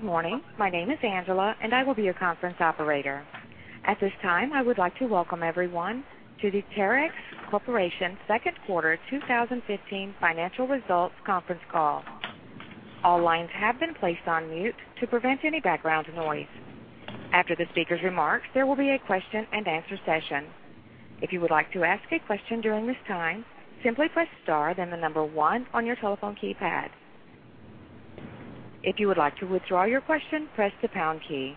Good morning. My name is Angela, and I will be your conference operator. At this time, I would like to welcome everyone to the Terex Corporation Second Quarter 2015 Financial Results Conference Call. All lines have been placed on mute to prevent any background noise. After the speaker's remarks, there will be a question and answer session. If you would like to ask a question during this time, simply press star then the number one on your telephone keypad. If you would like to withdraw your question, press the pound key.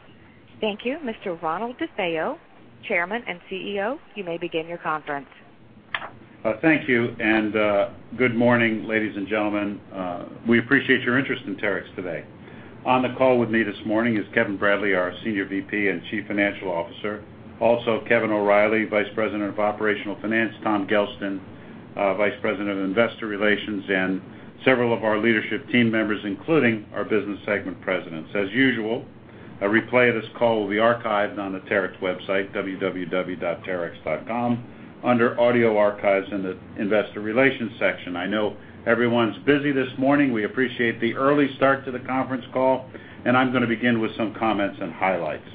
Thank you. Mr. Ronald DeFeo, Chairman and CEO, you may begin your conference. Thank you, and good morning, ladies and gentlemen. We appreciate your interest in Terex today. On the call with me this morning is Kevin Bradley, our Senior VP and Chief Financial Officer, also Kevin O'Reilly, Vice President of Operational Finance, Tom Gelston, Vice President of Investor Relations, and several of our leadership team members, including our business segment presidents. As usual, a replay of this call will be archived on the Terex website, www.terex.com, under Audio Archives in the Investor Relations section. I know everyone's busy this morning. We appreciate the early start to the conference call. I'm going to begin with some comments and highlights.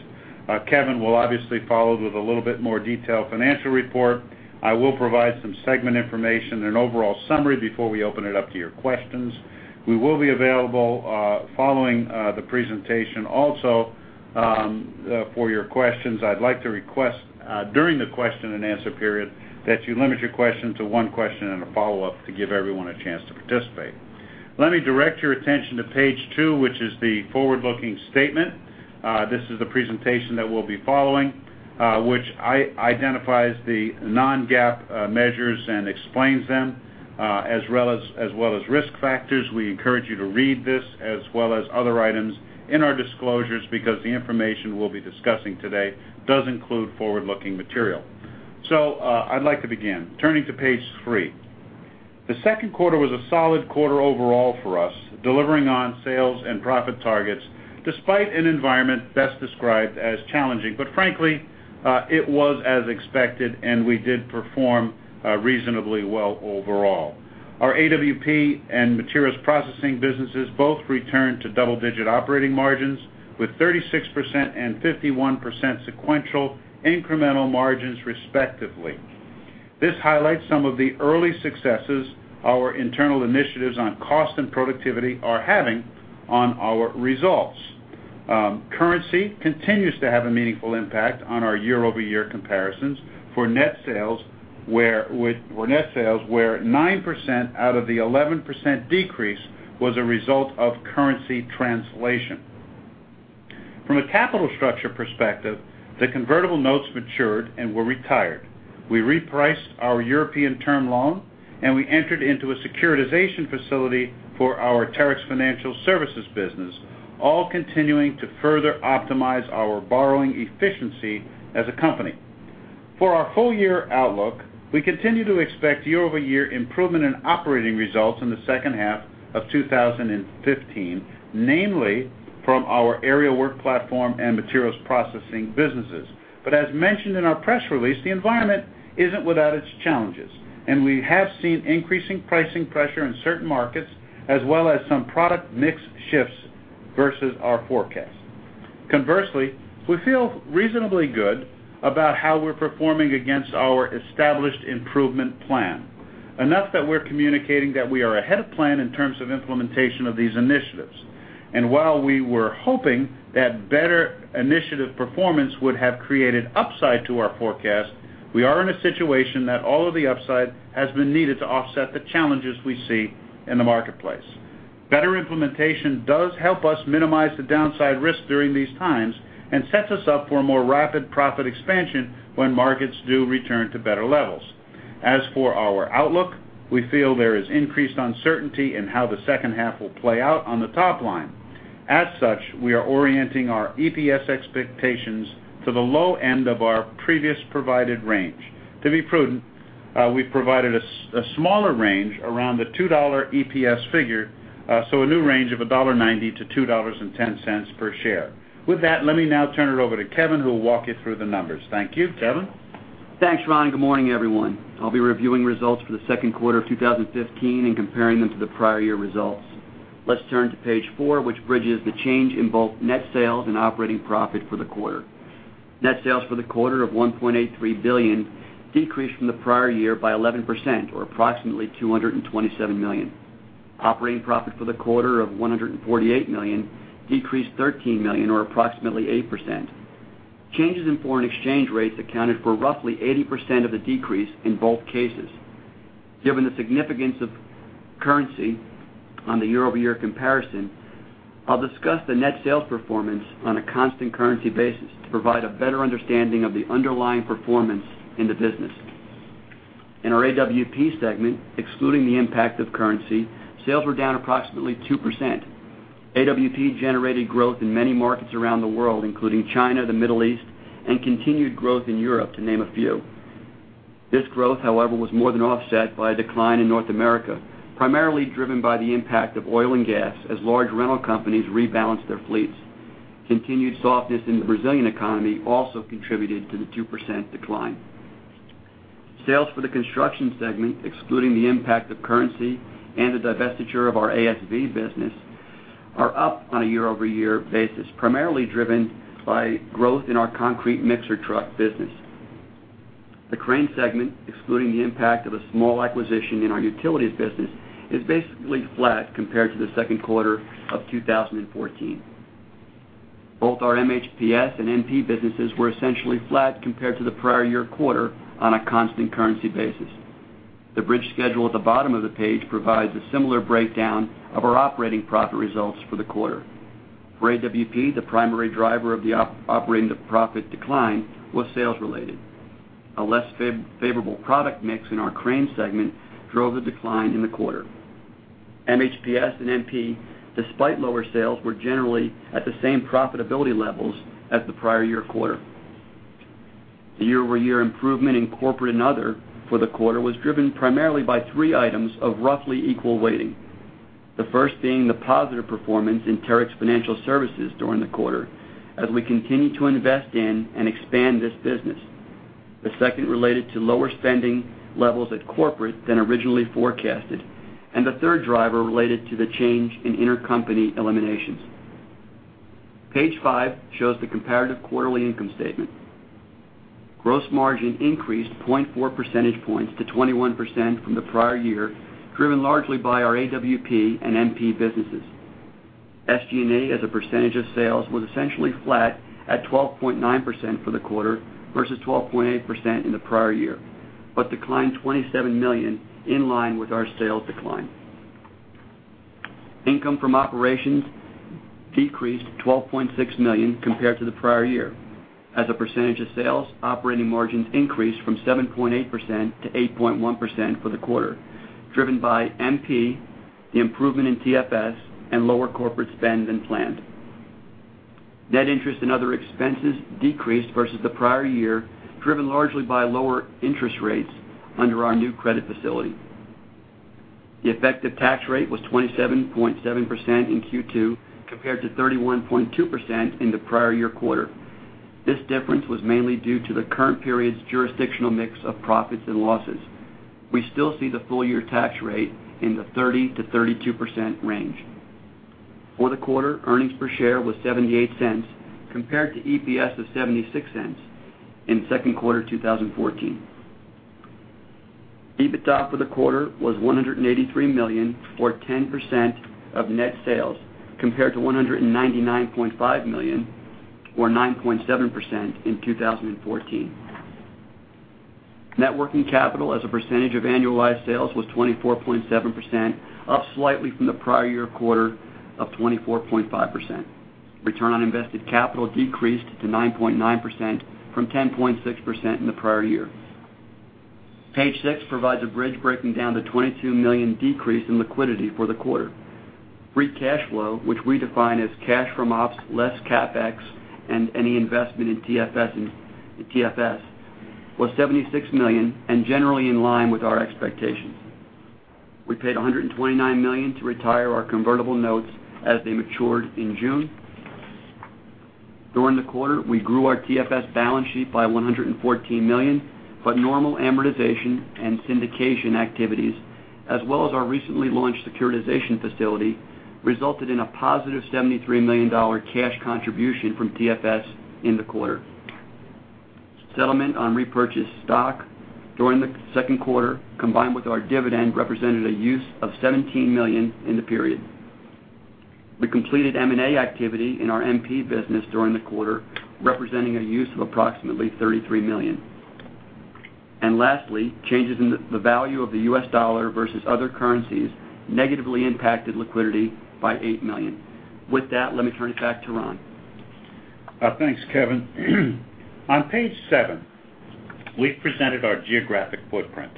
Kevin will obviously follow with a little bit more detailed financial report. I will provide some segment information and an overall summary before we open it up to your questions. We will be available following the presentation also for your questions. I'd like to request during the question and answer period that you limit your question to one question and a follow-up to give everyone a chance to participate. Let me direct your attention to page two, which is the forward-looking statement. This is the presentation that we'll be following which identifies the non-GAAP measures and explains them, as well as risk factors. We encourage you to read this as well as other items in our disclosures because the information we'll be discussing today does include forward-looking material. I'd like to begin. Turning to page three. The second quarter was a solid quarter overall for us, delivering on sales and profit targets despite an environment best described as challenging. Frankly, it was as expected, and we did perform reasonably well overall. Our AWP and Materials Processing businesses both returned to double-digit operating margins with 36% and 51% sequential incremental margins, respectively. This highlights some of the early successes our internal initiatives on cost and productivity are having on our results. Currency continues to have a meaningful impact on our year-over-year comparisons for net sales, where 9% out of the 11% decrease was a result of currency translation. From a capital structure perspective, the convertible notes matured and were retired. We repriced our European term loan, and we entered into a securitization facility for our Terex Financial Services business, all continuing to further optimize our borrowing efficiency as a company. For our full-year outlook, we continue to expect year-over-year improvement in operating results in the second half of 2015, namely from our Aerial Work Platform and Materials Processing businesses. As mentioned in our press release, the environment isn't without its challenges, and we have seen increasing pricing pressure in certain markets, as well as some product mix shifts versus our forecast. Conversely, we feel reasonably good about how we're performing against our established improvement plan. Enough that we're communicating that we are ahead of plan in terms of implementation of these initiatives. While we were hoping that better initiative performance would have created upside to our forecast, we are in a situation that all of the upside has been needed to offset the challenges we see in the marketplace. Better implementation does help us minimize the downside risk during these times and sets us up for a more rapid profit expansion when markets do return to better levels. As for our outlook, we feel there is increased uncertainty in how the second half will play out on the top line. As such, we are orienting our EPS expectations to the low end of our previous provided range. To be prudent, we've provided a smaller range around the $2 EPS figure, so a new range of $1.90-$2.10 per share. With that, let me now turn it over to Kevin, who will walk you through the numbers. Thank you. Kevin? Thanks, Ron. Good morning, everyone. I'll be reviewing results for the second quarter of 2015 and comparing them to the prior year results. Let's turn to page four, which bridges the change in both net sales and operating profit for the quarter. Net sales for the quarter of $1.83 billion decreased from the prior year by 11%, or approximately $227 million. Operating profit for the quarter of $148 million decreased $13 million or approximately 8%. Changes in foreign exchange rates accounted for roughly 80% of the decrease in both cases. Given the significance of currency on the year-over-year comparison, I'll discuss the net sales performance on a constant currency basis to provide a better understanding of the underlying performance in the business. In our AWP segment, excluding the impact of currency, sales were down approximately 2%. AWP generated growth in many markets around the world, including China, the Middle East, and continued growth in Europe, to name a few. This growth, however, was more than offset by a decline in North America, primarily driven by the impact of oil and gas as large rental companies rebalanced their fleets. Continued softness in the Brazilian economy also contributed to the 2% decline. Sales for the construction segment, excluding the impact of currency and the divestiture of our ASV business, are up on a year-over-year basis, primarily driven by growth in our concrete mixer truck business. The crane segment, excluding the impact of a small acquisition in our utilities business, is basically flat compared to the second quarter of 2014. Both our MHPS and MP businesses were essentially flat compared to the prior year quarter on a constant currency basis. The bridge schedule at the bottom of the page provides a similar breakdown of our operating profit results for the quarter. For AWP, the primary driver of the operating profit decline was sales related. A less favorable product mix in our crane segment drove the decline in the quarter. MHPS and MP, despite lower sales, were generally at the same profitability levels as the prior year quarter. The year-over-year improvement in corporate and other for the quarter was driven primarily by three items of roughly equal weighting. The first being the positive performance in Terex Financial Services during the quarter as we continue to invest in and expand this business. The second related to lower spending levels at corporate than originally forecasted, the third driver related to the change in intercompany eliminations. Page five shows the comparative quarterly income statement. Gross margin increased 0.4 percentage points to 21% from the prior year, driven largely by our AWP and MP businesses. SG&A as a percentage of sales was essentially flat at 12.9% for the quarter versus 12.8% in the prior year, declined $27 million, in line with our sales decline. Income from operations decreased to $12.6 million compared to the prior year. As a percentage of sales, operating margins increased from 7.8% to 8.1% for the quarter, driven by MP, the improvement in TFS, and lower corporate spend than planned. Net interest and other expenses decreased versus the prior year, driven largely by lower interest rates under our new credit facility. The effective tax rate was 27.7% in Q2 compared to 31.2% in the prior year quarter. This difference was mainly due to the current period's jurisdictional mix of profits and losses. We still see the full-year tax rate in the 30%-32% range. For the quarter, earnings per share was $0.78, compared to EPS of $0.76 in second quarter 2014. EBITDA for the quarter was $183 million, or 10% of net sales, compared to $199.5 million, or 9.7%, in 2014. Net working capital as a percentage of annualized sales was 24.7%, up slightly from the prior year quarter of 24.5%. Return on invested capital decreased to 9.9% from 10.6% in the prior year. Page six provides a bridge breaking down the $22 million decrease in liquidity for the quarter. Free cash flow, which we define as cash from ops less CapEx and any investment in TFS, was $76 million generally in line with our expectations. We paid $129 million to retire our convertible notes as they matured in June. During the quarter, we grew our TFS balance sheet by $114 million, normal amortization and syndication activities, as well as our recently launched securitization facility, resulted in a positive $73 million cash contribution from TFS in the quarter. Settlement on repurchased stock during the second quarter, combined with our dividend, represented a use of $17 million in the period. We completed M&A activity in our MP business during the quarter, representing a use of approximately $33 million. Lastly, changes in the value of the US dollar versus other currencies negatively impacted liquidity by $8 million. With that, let me turn it back to Ron. Thanks, Kevin. On page seven, we've presented our geographic footprint.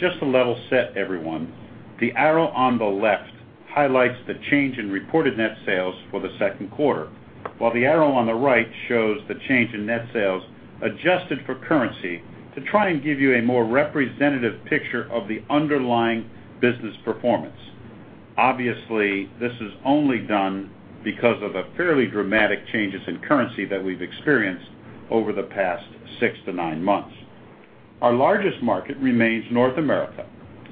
Just to level set, everyone, the arrow on the left highlights the change in reported net sales for the second quarter, while the arrow on the right shows the change in net sales adjusted for currency to try and give you a more representative picture of the underlying business performance. Obviously, this is only done because of the fairly dramatic changes in currency that we've experienced over the past six to nine months. Our largest market remains North America,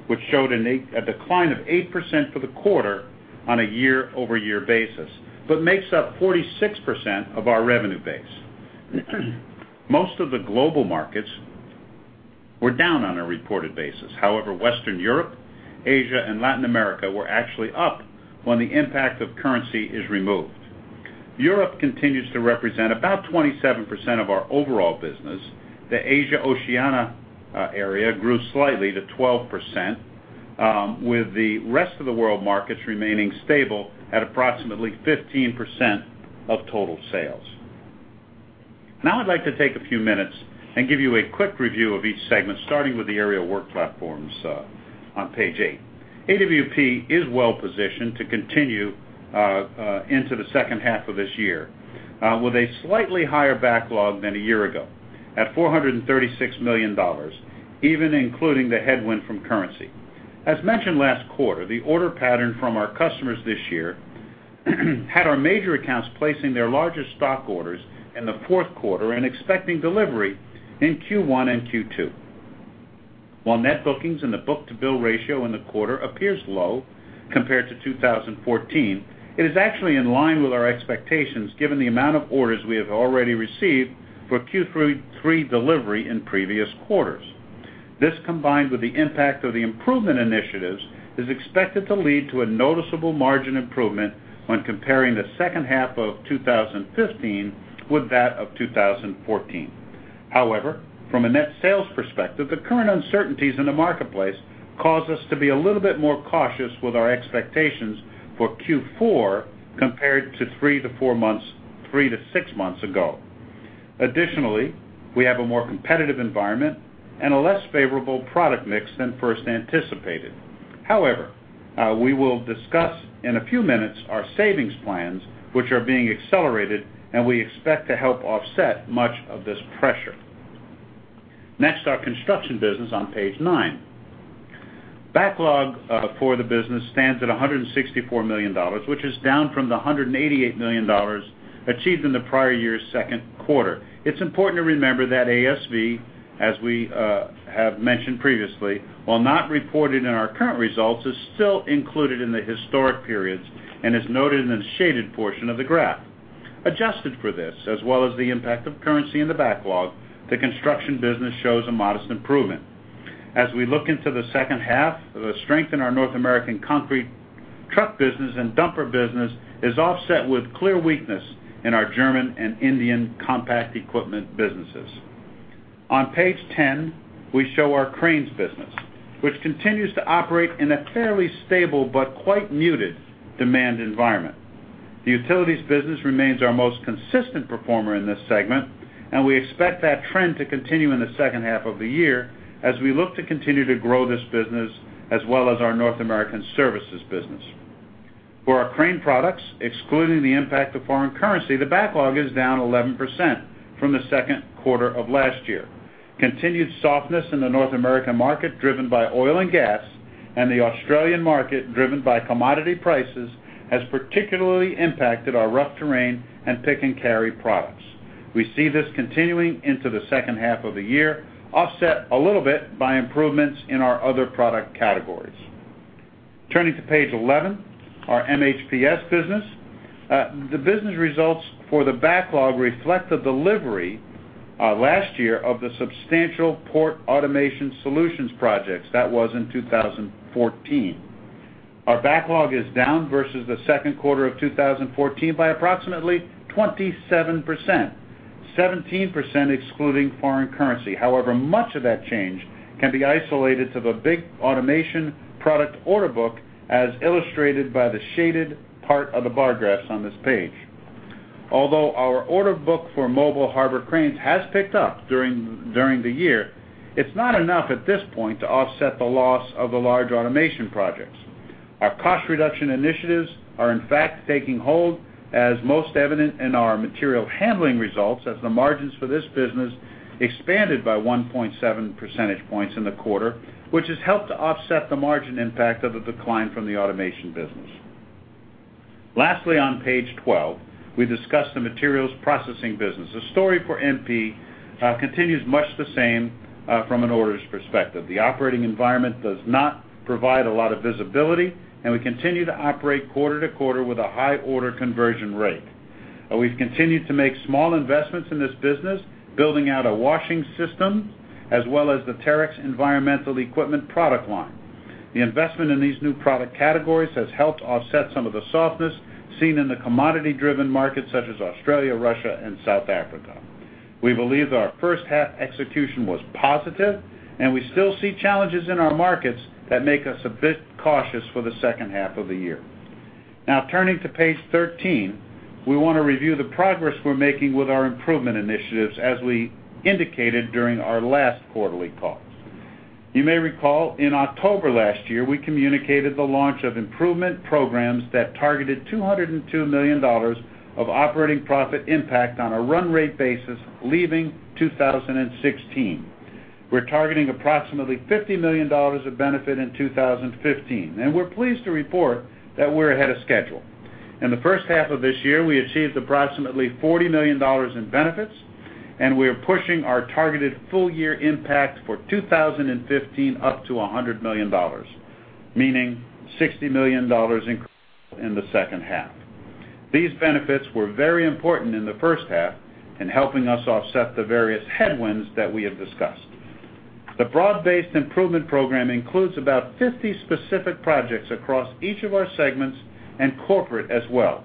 which showed a decline of 8% for the quarter on a year-over-year basis but makes up 46% of our revenue base. Most of the global markets were down on a reported basis. However, Western Europe, Asia, and Latin America were actually up when the impact of currency is removed. Europe continues to represent about 27% of our overall business. The Asia/Oceania area grew slightly to 12%, with the rest of the world markets remaining stable at approximately 15% of total sales. Now I'd like to take a few minutes and give you a quick review of each segment, starting with the Aerial Work Platforms on page eight. AWP is well-positioned to continue into the second half of this year with a slightly higher backlog than a year ago at $436 million, even including the headwind from currency. As mentioned last quarter, the order pattern from our customers this year had our major accounts placing their largest stock orders in the fourth quarter and expecting delivery in Q1 and Q2. While net bookings and the book-to-bill ratio in the quarter appears low compared to 2014, it is actually in line with our expectations given the amount of orders we have already received for Q3 delivery in previous quarters. This, combined with the impact of the improvement initiatives, is expected to lead to a noticeable margin improvement when comparing the second half of 2015 with that of 2014. However, from a net sales perspective, the current uncertainties in the marketplace cause us to be a little bit more cautious with our expectations for Q4 compared to three to six months ago. Additionally, we have a more competitive environment and a less favorable product mix than first anticipated. However, we will discuss in a few minutes our savings plans, which are being accelerated, and we expect to help offset much of this pressure. Next, our Construction business on page nine. Backlog for the business stands at $164 million, which is down from the $188 million achieved in the prior year's second quarter. It's important to remember that ASV, as we have mentioned previously, while not reported in our current results, is still included in the historic periods and is noted in the shaded portion of the graph. Adjusted for this, as well as the impact of currency in the backlog, the Construction business shows a modest improvement. As we look into the second half, the strength in our North American concrete truck business and dumper business is offset with clear weakness in our German and Indian compact equipment businesses. On page 10, we show our Cranes business, which continues to operate in a fairly stable but quite muted demand environment. The utilities business remains our most consistent performer in this segment, and we expect that trend to continue in the second half of the year as we look to continue to grow this business, as well as our North American services business. For our crane products, excluding the impact of foreign currency, the backlog is down 11% from the second quarter of last year. Continued softness in the North American market, driven by oil and gas, and the Australian market, driven by commodity prices, has particularly impacted our rough terrain and pick-and-carry products. We see this continuing into the second half of the year, offset a little bit by improvements in our other product categories. Turning to page 11, our MHPS business. The business results for the backlog reflect the delivery last year of the substantial port automation solutions projects. That was in 2014. Our backlog is down versus the second quarter of 2014 by approximately 27%, 17% excluding foreign currency. However, much of that change can be isolated to the big automation product order book, as illustrated by the shaded part of the bar graphs on this page. Although our order book for mobile harbor cranes has picked up during the year, it's not enough at this point to offset the loss of the large automation projects. Our cost reduction initiatives are, in fact, taking hold, as most evident in our material handling results as the margins for this business expanded by 1.7 percentage points in the quarter, which has helped to offset the margin impact of the decline from the automation business. Lastly, on page 12, we discuss the Materials Processing business. The story for MP continues much the same from an orders perspective. The operating environment does not provide a lot of visibility, and we continue to operate quarter to quarter with a high order conversion rate. We've continued to make small investments in this business, building out a washing system, as well as the Terex Environmental Equipment product line. The investment in these new product categories has helped offset some of the softness seen in the commodity-driven markets such as Australia, Russia, and South Africa. We believe that our first half execution was positive, and we still see challenges in our markets that make us a bit cautious for the second half of the year. Turning to page 13, we want to review the progress we're making with our improvement initiatives, as we indicated during our last quarterly call. You may recall, in October last year, we communicated the launch of improvement programs that targeted $202 million of operating profit impact on a run rate basis, leaving 2016. We're targeting approximately $50 million of benefit in 2015, and we're pleased to report that we're ahead of schedule. In the first half of this year, we achieved approximately $40 million in benefits, we are pushing our targeted full year impact for 2015 up to $100 million, meaning $60 million in the second half. These benefits were very important in the first half in helping us offset the various headwinds that we have discussed. The broad-based improvement program includes about 50 specific projects across each of our segments and corporate as well.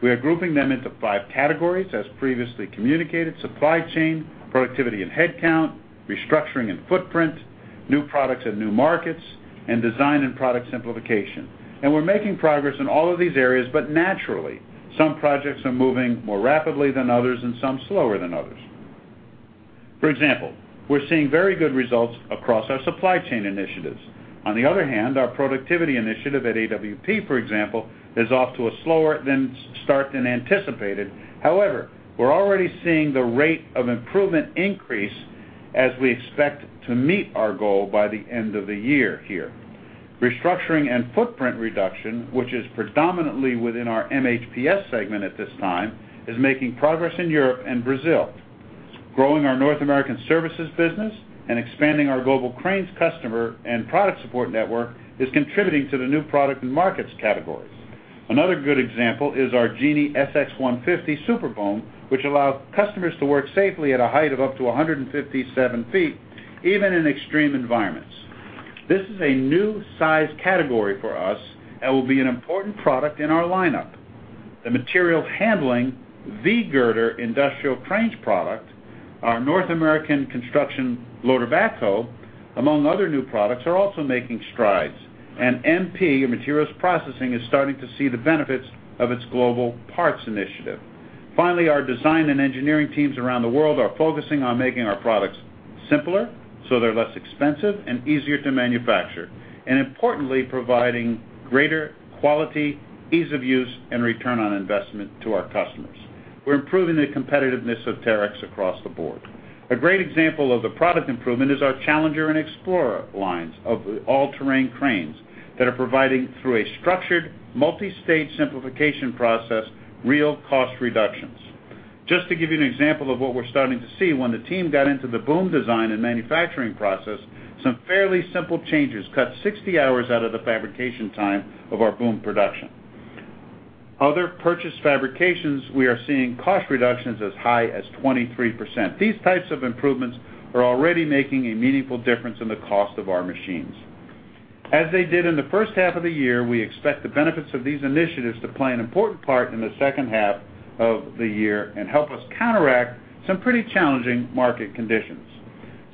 We are grouping them into five categories as previously communicated: supply chain, productivity and headcount, restructuring and footprint, new products and new markets, and design and product simplification. We're making progress in all of these areas, naturally, some projects are moving more rapidly than others and some slower than others. For example, we're seeing very good results across our supply chain initiatives. On the other hand, our productivity initiative at AWP, for example, is off to a slower start than anticipated. However, we're already seeing the rate of improvement increase. We expect to meet our goal by the end of the year here. Restructuring and footprint reduction, which is predominantly within our MHPS segment at this time, is making progress in Europe and Brazil. Growing our North American services business and expanding our global cranes customer and product support network is contributing to the new product and markets categories. Another good example is our Genie SX-150 Super Boom, which allows customers to work safely at a height of up to 157 feet, even in extreme environments. This is a new size category for us and will be an important product in our lineup. The materials handling V-girder industrial cranes product, our North American construction loader backhoe, among other new products, are also making strides. MP, or Materials Processing, is starting to see the benefits of its global parts initiative. Finally, our design and engineering teams around the world are focusing on making our products simpler, so they're less expensive and easier to manufacture. Importantly, providing greater quality, ease of use, and return on investment to our customers. We're improving the competitiveness of Terex across the board. A great example of the product improvement is our Challenger and Explorer lines of all-terrain cranes that are providing, through a structured multi-stage simplification process, real cost reductions. Just to give you an example of what we're starting to see, when the team got into the boom design and manufacturing process, some fairly simple changes cut 60 hours out of the fabrication time of our boom production. Other purchased fabrications, we are seeing cost reductions as high as 23%. These types of improvements are already making a meaningful difference in the cost of our machines. As they did in the first half of the year, we expect the benefits of these initiatives to play an important part in the second half of the year and help us counteract some pretty challenging market conditions.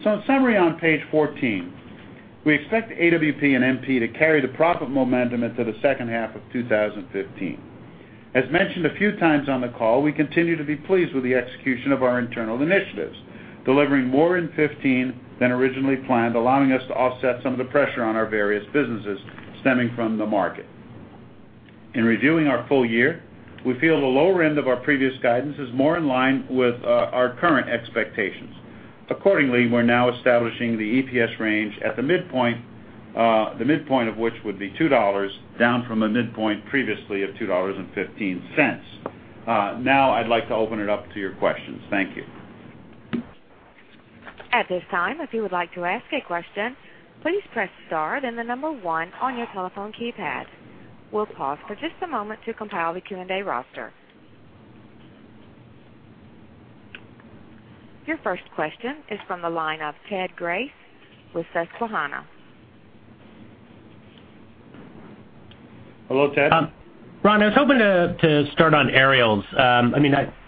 In summary on Page 14, we expect AWP and MP to carry the profit momentum into the second half of 2015. Mentioned a few times on the call, we continue to be pleased with the execution of our internal initiatives, delivering more in 2015 than originally planned, allowing us to offset some of the pressure on our various businesses stemming from the market. In reviewing our full year, we feel the lower end of our previous guidance is more in line with our current expectations. Accordingly, we're now establishing the EPS range at the midpoint, the midpoint of which would be $2, down from a midpoint previously of $2.15. I'd like to open it up to your questions. Thank you. At this time, if you would like to ask a question, please press star, then the number one on your telephone keypad. We'll pause for just a moment to compile the Q&A roster. Your first question is from the line of Ted Grace with Susquehanna. Hello, Ted. Ron, I was hoping to start on Aerials.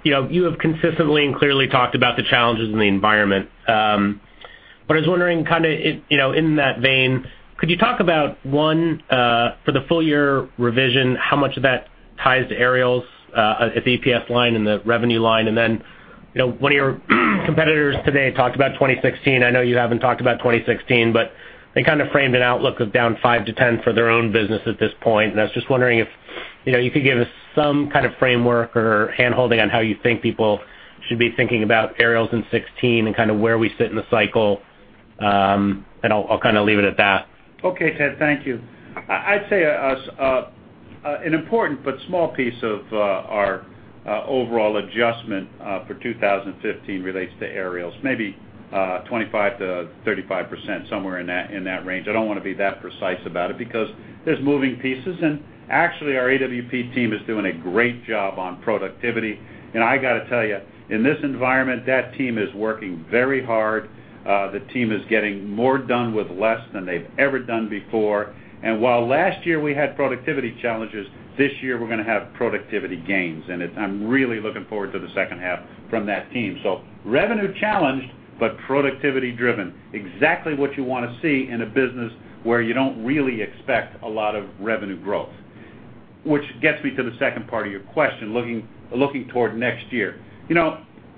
You have consistently and clearly talked about the challenges in the environment. I was wondering, in that vein, could you talk about, one, for the full year revision, how much of that ties to Aerials at the EPS line and the revenue line? One of your competitors today talked about 2016. I know you haven't talked about 2016, but they kind of framed an outlook of down 5%-10% for their own business at this point. I was just wondering if you could give us some kind of framework or handholding on how you think people should be thinking about Aerials in 2016 and kind of where we sit in the cycle. I'll leave it at that. Okay, Ted. Thank you. I'd say an important but small piece of our overall adjustment for 2015 relates to Aerials, maybe 25%-35%, somewhere in that range. I don't want to be that precise about it because there's moving pieces and actually, our AWP team is doing a great job on productivity. I got to tell you, in this environment, that team is working very hard. The team is getting more done with less than they've ever done before. While last year we had productivity challenges, this year we're going to have productivity gains. I'm really looking forward to the second half from that team. Revenue-challenged, but productivity-driven. Exactly what you want to see in a business where you don't really expect a lot of revenue growth, which gets me to the second part of your question, looking toward next year.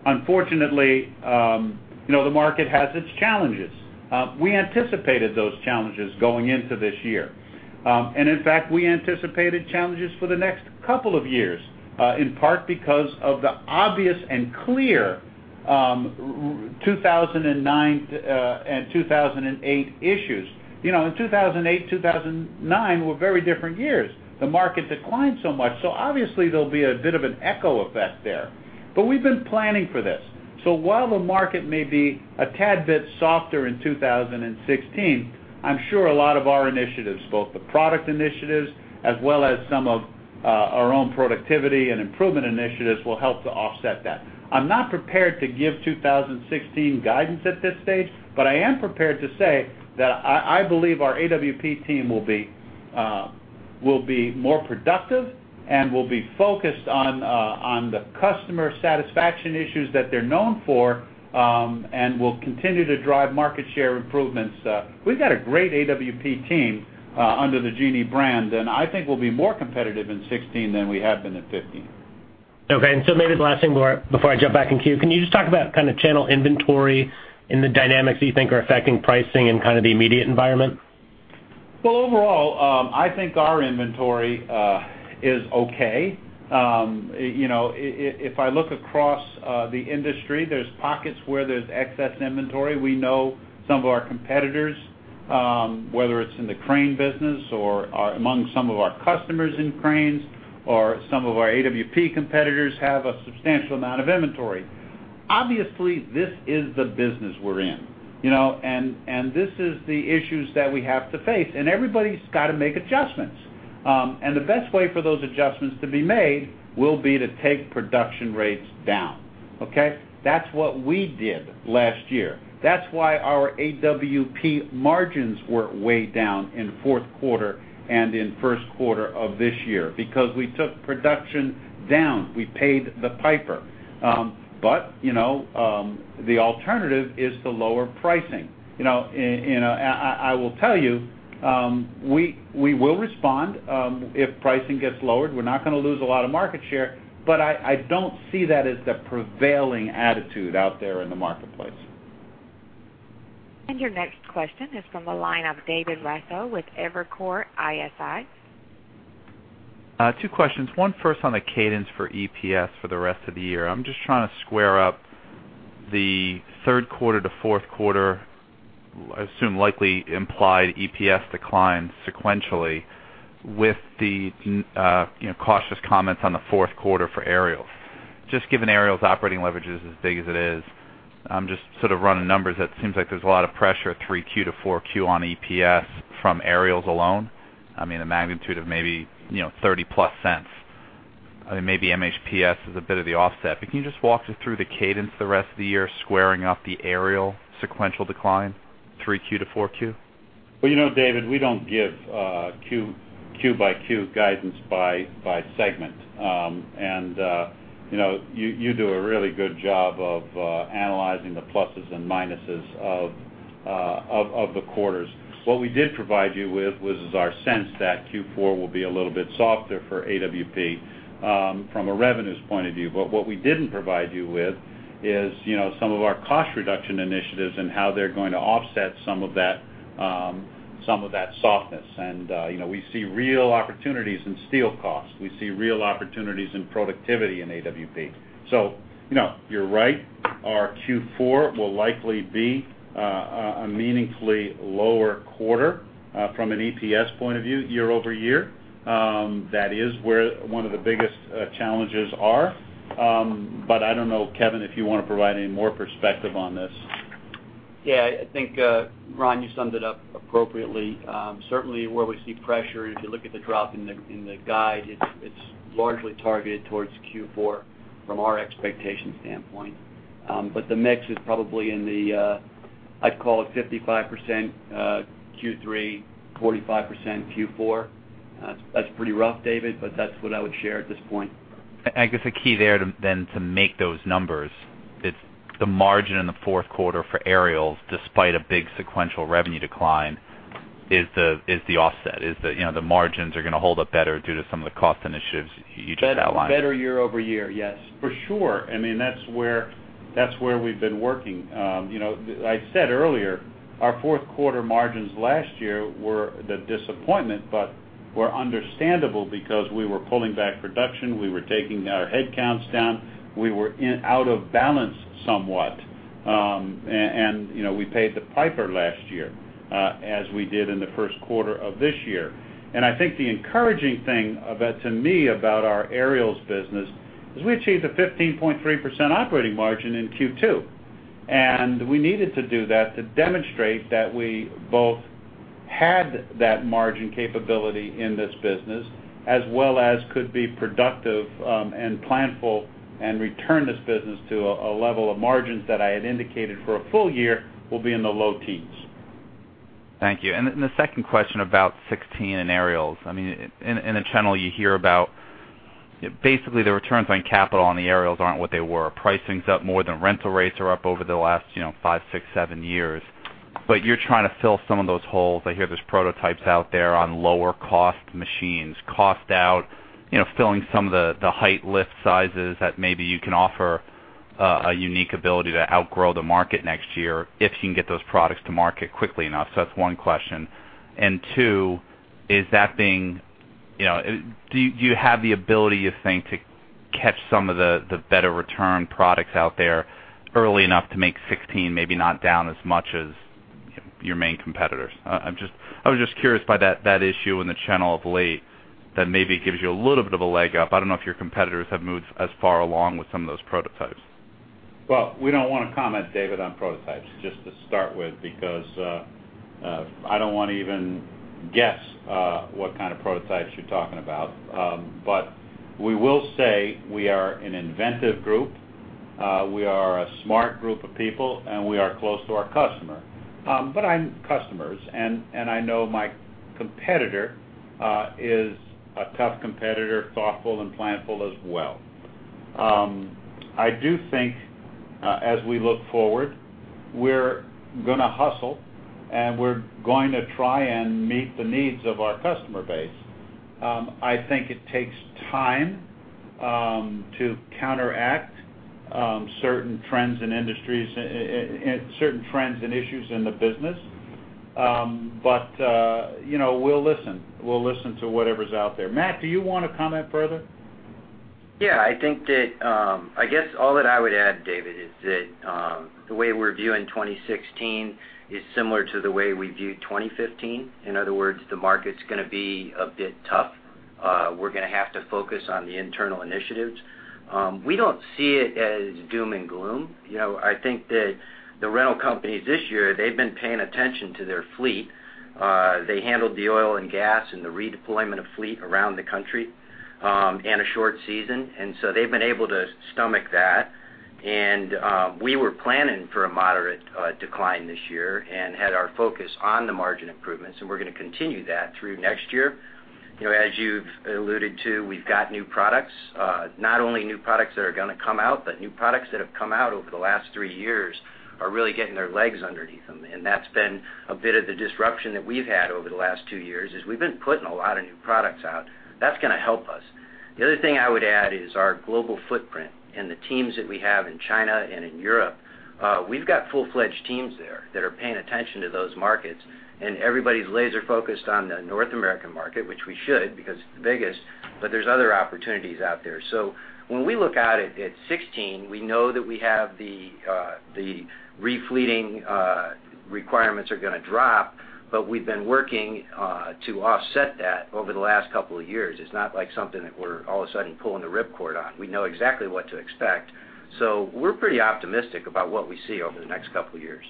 Unfortunately, the market has its challenges. We anticipated those challenges going into this year. In fact, we anticipated challenges for the next couple of years, in part because of the obvious and clear 2009 and 2008 issues. 2008 and 2009 were very different years. The market declined so much. Obviously, there'll be a bit of an echo effect there. We've been planning for this. While the market may be a tad bit softer in 2016, I'm sure a lot of our initiatives, both the product initiatives as well as some of our own productivity and improvement initiatives, will help to offset that. I'm not prepared to give 2016 guidance at this stage, but I am prepared to say that I believe our AWP team will be more productive and will be focused on the customer satisfaction issues that they're known for, and will continue to drive market share improvements. We've got a great AWP team under the Genie brand, and I think we'll be more competitive in 2016 than we have been in 2015. Okay. Maybe the last thing before I jump back in queue, can you just talk about channel inventory and the dynamics that you think are affecting pricing in the immediate environment? Overall, I think our inventory is okay. If I look across the industry, there's pockets where there's excess inventory. We know some of our competitors, whether it's in the crane business or among some of our customers in cranes or some of our AWP competitors, have a substantial amount of inventory. Obviously, this is the business we're in. This is the issues that we have to face, and everybody's got to make adjustments. The best way for those adjustments to be made will be to take production rates down. Okay. That's what we did last year. That's why our AWP margins were way down in fourth quarter and in first quarter of this year, because we took production down. We paid the piper. The alternative is to lower pricing. I will tell you, we will respond if pricing gets lowered. We're not going to lose a lot of market share, I don't see that as the prevailing attitude out there in the marketplace. Your next question is from the line of David Raso with Evercore ISI. Two questions. One first on the cadence for EPS for the rest of the year. I'm just trying to square up the third quarter to fourth quarter, I assume likely implied EPS decline sequentially with the cautious comments on the fourth quarter for Aerial. Just given Aerial's operating leverage is as big as it is, I'm just sort of running numbers. It seems like there's a lot of pressure at 3Q to 4Q on EPS from Aerial alone. I mean, a magnitude of maybe $0.30-plus. Maybe MHPS is a bit of the offset. Can you just walk us through the cadence the rest of the year, squaring up the Aerial sequential decline, 3Q to 4Q? Well, David, we don't give Q-by-Q guidance by segment. You do a really good job of analyzing the pluses and minuses of the quarters. What we did provide you with was our sense that Q4 will be a little bit softer for AWP from a revenues point of view. What we didn't provide you with is some of our cost reduction initiatives and how they're going to offset some of that softness. We see real opportunities in steel costs. We see real opportunities in productivity in AWP. No, you're right. Our Q4 will likely be a meaningfully lower quarter from an EPS point of view year-over-year. That is where one of the biggest challenges are. I don't know, Kevin, if you want to provide any more perspective on this. Yeah, I think, Ron, you summed it up appropriately. Certainly, where we see pressure, if you look at the drop in the guide, it's largely targeted towards Q4 from our expectation standpoint. The mix is probably in the, I'd call it 55% Q3, 45% Q4. That's pretty rough, David, but that's what I would share at this point. I guess the key there to make those numbers, it's the margin in the fourth quarter for Aerial, despite a big sequential revenue decline, is the offset, is the margins are going to hold up better due to some of the cost initiatives you just outlined. Better year-over-year, yes. For sure. That's where we've been working. I said earlier, our fourth quarter margins last year were the disappointment, were understandable because we were pulling back production. We were taking our headcounts down. We were out of balance somewhat. We paid the piper last year, as we did in the first quarter of this year. I think the encouraging thing about, to me, about our Aerials business is we achieved a 15.3% operating margin in Q2. We needed to do that to demonstrate that we both had that margin capability in this business, as well as could be productive and planful and return this business to a level of margins that I had indicated for a full year will be in the low teens. Thank you. The second question about 2016 in Aerials. In the channel you hear about basically the returns on capital on the Aerials aren't what they were. Pricing's up more than rental rates are up over the last five, six, seven years. You're trying to fill some of those holes. I hear there's prototypes out there on lower cost machines. Cost out, filling some of the height lift sizes that maybe you can offer a unique ability to outgrow the market next year if you can get those products to market quickly enough. That's one question. Two, do you have the ability, you think, to catch some of the better return products out there early enough to make 2016 maybe not down as much as your main competitors? I was just curious by that issue in the channel of late, that maybe it gives you a little bit of a leg up. I don't know if your competitors have moved as far along with some of those prototypes. We don't want to comment, David, on prototypes, just to start with, because I don't want to even guess what kind of prototypes you're talking about. We will say we are an inventive group. We are a smart group of people, and we are close to our customer. I'm customers, and I know my competitor is a tough competitor, thoughtful and planful as well. I do think as we look forward, we're going to hustle, and we're going to try and meet the needs of our customer base. I think it takes time to counteract certain trends in industries and certain trends and issues in the business. We'll listen. We'll listen to whatever's out there. Matt, do you want to comment further? Yeah. I guess all that I would add, David, is that the way we're viewing 2016 is similar to the way we viewed 2015. In other words, the market's going to be a bit tough. We're going to have to focus on the internal initiatives. We don't see it as doom and gloom. I think that the rental companies this year, they've been paying attention to their fleet. They handled the oil and gas and the redeployment of fleet around the country in a short season. So they've been able to stomach that. We were planning for a moderate decline this year and had our focus on the margin improvements, and we're going to continue that through next year. As you've alluded to, we've got new products. Not only new products that are going to come out, but new products that have come out over the last three years are really getting their legs underneath them. That's been a bit of the disruption that we've had over the last two years, is we've been putting a lot of new products out. That's going to help us. The other thing I would add is our global footprint and the teams that we have in China and in Europe. We've got full-fledged teams there that are paying attention to those markets, and everybody's laser-focused on the North American market, which we should, because it's the biggest, but there's other opportunities out there. When we look out at 2016, we know that we have the refleeting requirements are going to drop, but we've been working to offset that over the last couple of years. It's not like something that we're all of a sudden pulling the rip cord on. We know exactly what to expect. We're pretty optimistic about what we see over the next couple of years.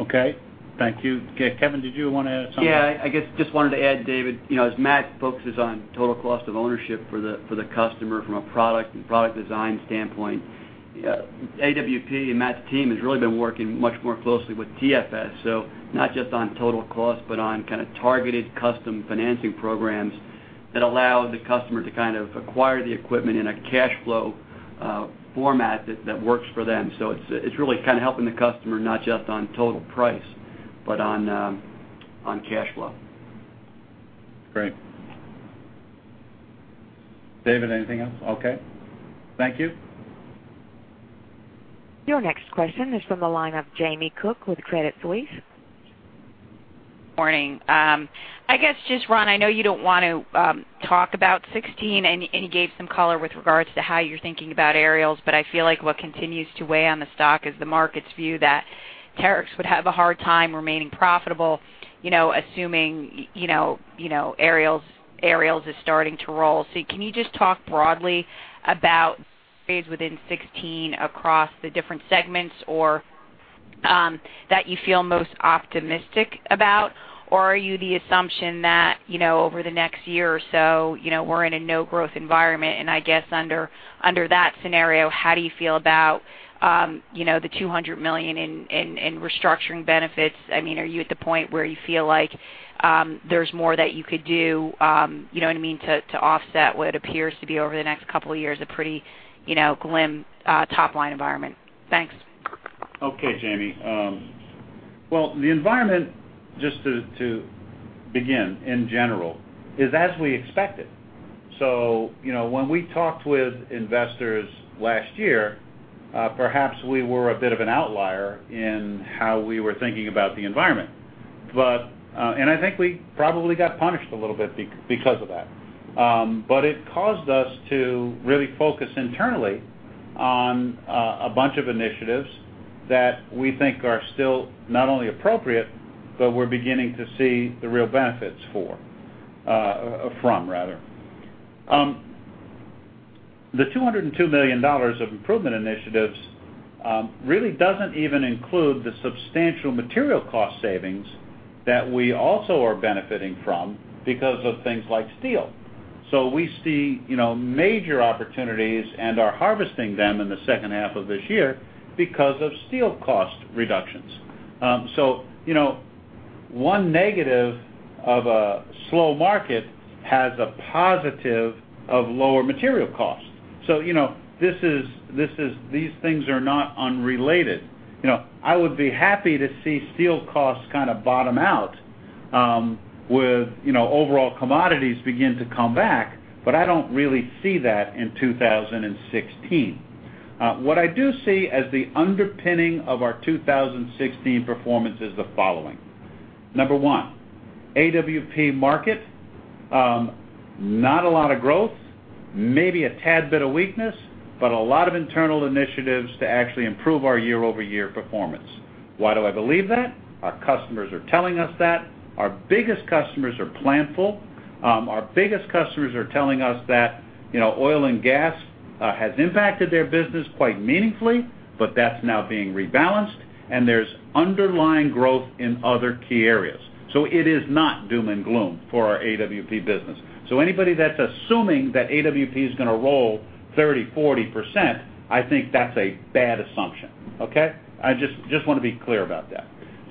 Okay. Thank you. Kevin, did you want to add something? Yeah. I guess just wanted to add, David, as Matt focuses on total cost of ownership for the customer from a product and product design standpoint, AWP and Matt's team has really been working much more closely with TFS. Not just on total cost, but on kind of targeted custom financing programs that allow the customer to acquire the equipment in a cash flow format that works for them. It's really kind of helping the customer, not just on total price, but on cash flow. Great. David, anything else? Okay. Thank you. Your next question is from the line of Jamie Cook with Credit Suisse. Morning. I guess just, Ron, I know you don't want to talk about 2016, and you gave some color with regards to how you're thinking about Aerials, but I feel like what continues to weigh on the stock is the market's view that Terex would have a hard time remaining profitable assuming Aerials is starting to roll. Can you just talk broadly about phase within 2016 across the different segments or that you feel most optimistic about? Are you the assumption that over the next year or so, we're in a no-growth environment? I guess under that scenario, how do you feel about the $200 million in restructuring benefits? Are you at the point where you feel like there's more that you could do to offset what appears to be, over the next couple of years, a pretty grim top-line environment? Thanks. Okay, Jamie. Well, the environment, just to begin, in general, is as we expected. When we talked with investors last year, perhaps we were a bit of an outlier in how we were thinking about the environment. I think we probably got punished a little bit because of that. It caused us to really focus internally on a bunch of initiatives that we think are still not only appropriate, but we're beginning to see the real benefits from. The $202 million of improvement initiatives really doesn't even include the substantial material cost savings that we also are benefiting from because of things like steel. We see major opportunities and are harvesting them in the second half of this year because of steel cost reductions. One negative of a slow market has a positive of lower material cost. These things are not unrelated. I would be happy to see steel costs kind of bottom out with overall commodities begin to come back, but I don't really see that in 2016. What I do see as the underpinning of our 2016 performance is the following. Number one, AWP market, not a lot of growth, maybe a tad bit of weakness, but a lot of internal initiatives to actually improve our year-over-year performance. Why do I believe that? Our customers are telling us that. Our biggest customers are planful. Our biggest customers are telling us that oil and gas has impacted their business quite meaningfully, but that's now being rebalanced, and there's underlying growth in other key areas. It is not doom and gloom for our AWP business. Anybody that's assuming that AWP is going to roll 30%, 40%, I think that's a bad assumption. Okay? I just want to be clear about that.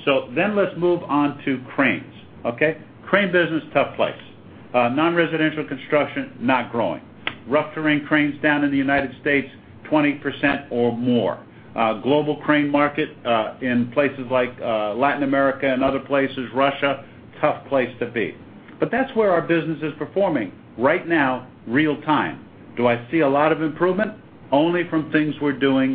Let's move on to cranes. Okay? Crane business, tough place. Non-residential construction, not growing. Rough terrain cranes down in the United States, 20% or more. Global crane market, in places like Latin America and other places, Russia, tough place to be. That's where our business is performing right now, real-time. Do I see a lot of improvement? Only from things we're doing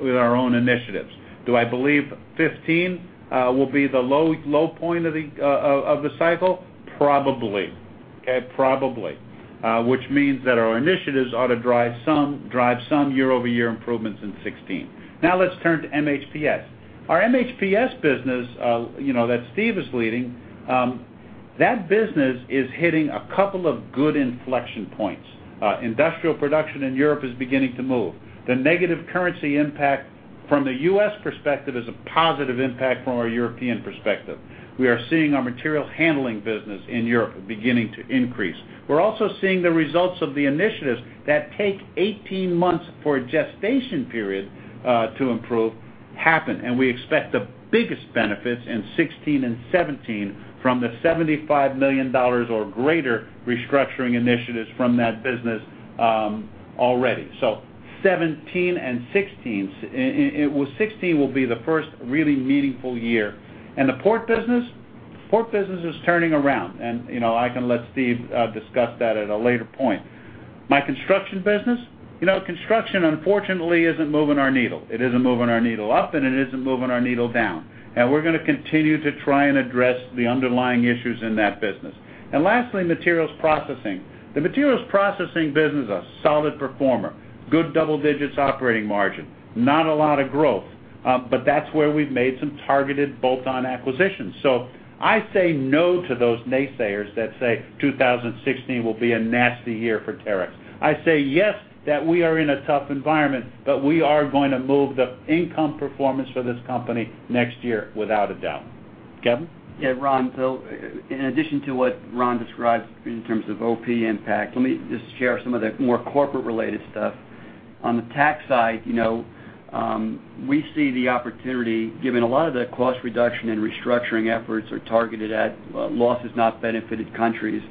with our own initiatives. Do I believe 2015 will be the low point of the cycle? Probably. Okay. Probably. Which means that our initiatives ought to drive some year-over-year improvements in 2016. Let's turn to MHPS. Our MHPS business that Steve is leading, that business is hitting a couple of good inflection points. Industrial production in Europe is beginning to move. The negative currency impact from the U.S. perspective is a positive impact from our European perspective. We are seeing our material handling business in Europe beginning to increase. We're also seeing the results of the initiatives that take 18 months for a gestation period to improve, happen, and we expect the biggest benefits in 2016 and 2017 from the $75 million or greater restructuring initiatives from that business already. 2017 and 2016. 2016 will be the first really meaningful year. The port business? The port business is turning around, and I can let Steve discuss that at a later point. My construction business? Construction unfortunately isn't moving our needle. It isn't moving our needle up, and it isn't moving our needle down. We're going to continue to try and address the underlying issues in that business. Lastly, Materials Processing. The Materials Processing business, a solid performer. Good double digits operating margin. Not a lot of growth, but that's where we've made some targeted bolt-on acquisitions. I say no to those naysayers that say 2016 will be a nasty year for Terex. I say yes that we are in a tough environment, but we are going to move the income performance for this company next year, without a doubt. Kevin? Ron, in addition to what Ron described in terms of OP impact, let me just share some of the more corporate-related stuff. On the tax side, we see the opportunity, given a lot of the cost reduction and restructuring efforts are targeted at losses, not benefited countries.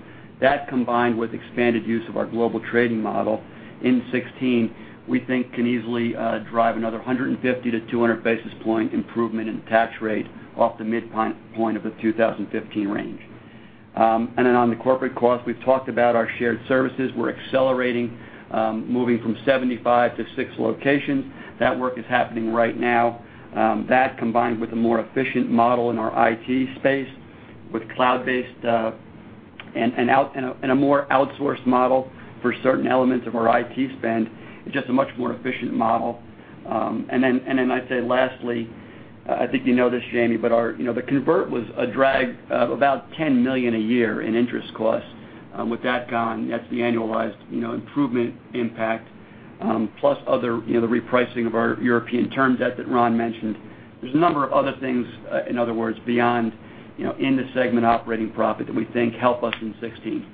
That, combined with expanded use of our global trading model in 2016, we think can easily drive another 150-200 basis points improvement in tax rate off the midpoint of the 2015 range. On the corporate cost, we've talked about our shared services. We're accelerating, moving from 75 to six locations. That work is happening right now. That, combined with a more efficient model in our IT space with cloud-based and a more outsourced model for certain elements of our IT spend, is just a much more efficient model. I'd say lastly, I think you know this, Jamie, the convert was a drag of about $10 million a year in interest costs. With that gone, that's the annualized improvement impact, plus other, the repricing of our European term debt that Ron mentioned. There's a number of other things, in other words, beyond in the segment operating profit that we think help us in 2016.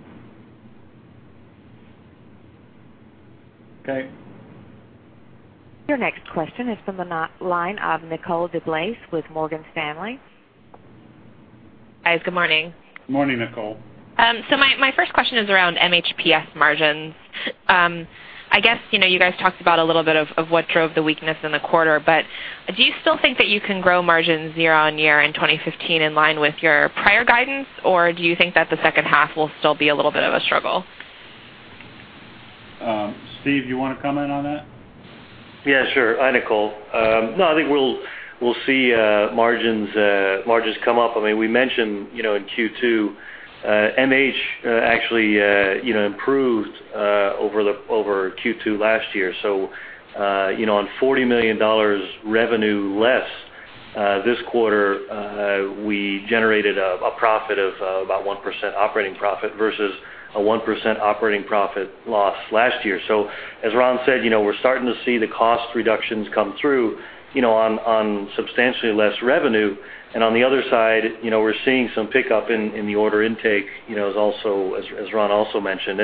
Okay. Your next question is from the line of Nicole DeBlase with Morgan Stanley. Guys, good morning. Morning, Nicole. My first question is around MHPS margins. I guess you guys talked about a little bit of what drove the weakness in the quarter, but do you still think that you can grow margins year-over-year in 2015 in line with your prior guidance, or do you think that the second half will still be a little bit of a struggle? Steve, you want to comment on that? Yeah, sure. Hi, Nicole. No, I think we'll see margins come up. We mentioned, in Q2, MH actually improved over Q2 last year. On $40 million revenue less this quarter, we generated a profit of about 1% operating profit versus a 1% operating profit loss last year. As Ron said, we're starting to see the cost reductions come through on substantially less revenue. On the other side, we're seeing some pickup in the order intake, as Ron also mentioned.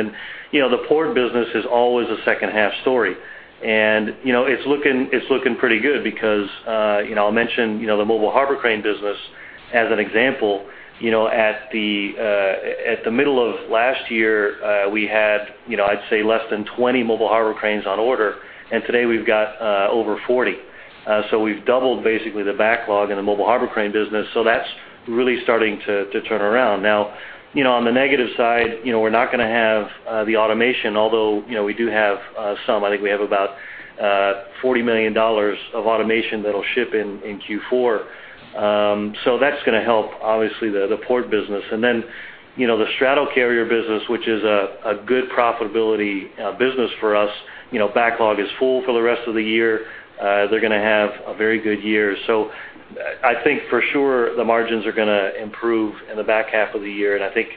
The port business is always a second-half story. It's looking pretty good because I'll mention the mobile harbor crane business as an example. At the middle of last year, we had, I'd say, less than 20 mobile harbor cranes on order, and today we've got over 40. We've doubled basically the backlog in the mobile harbor crane business. That's really starting to turn around. On the negative side, we're not going to have the automation, although, we do have some. I think we have about $40 million of automation that'll ship in Q4. That's going to help, obviously, the port business. Then, the straddle carrier business, which is a good profitability business for us, backlog is full for the rest of the year. They're going to have a very good year. I think for sure the margins are going to improve in the back half of the year. I think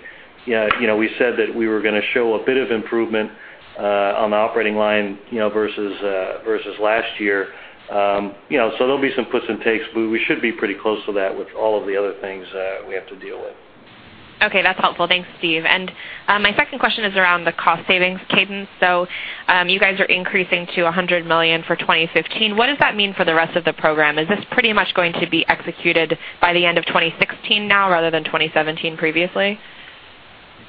we said that we were going to show a bit of improvement on the operating line versus last year. There'll be some puts and takes, but we should be pretty close to that with all of the other things we have to deal with. Okay. That's helpful. Thanks, Steve. My second question is around the cost savings cadence. You guys are increasing to $100 million for 2015. What does that mean for the rest of the program? Is this pretty much going to be executed by the end of 2016 now rather than 2017 previously?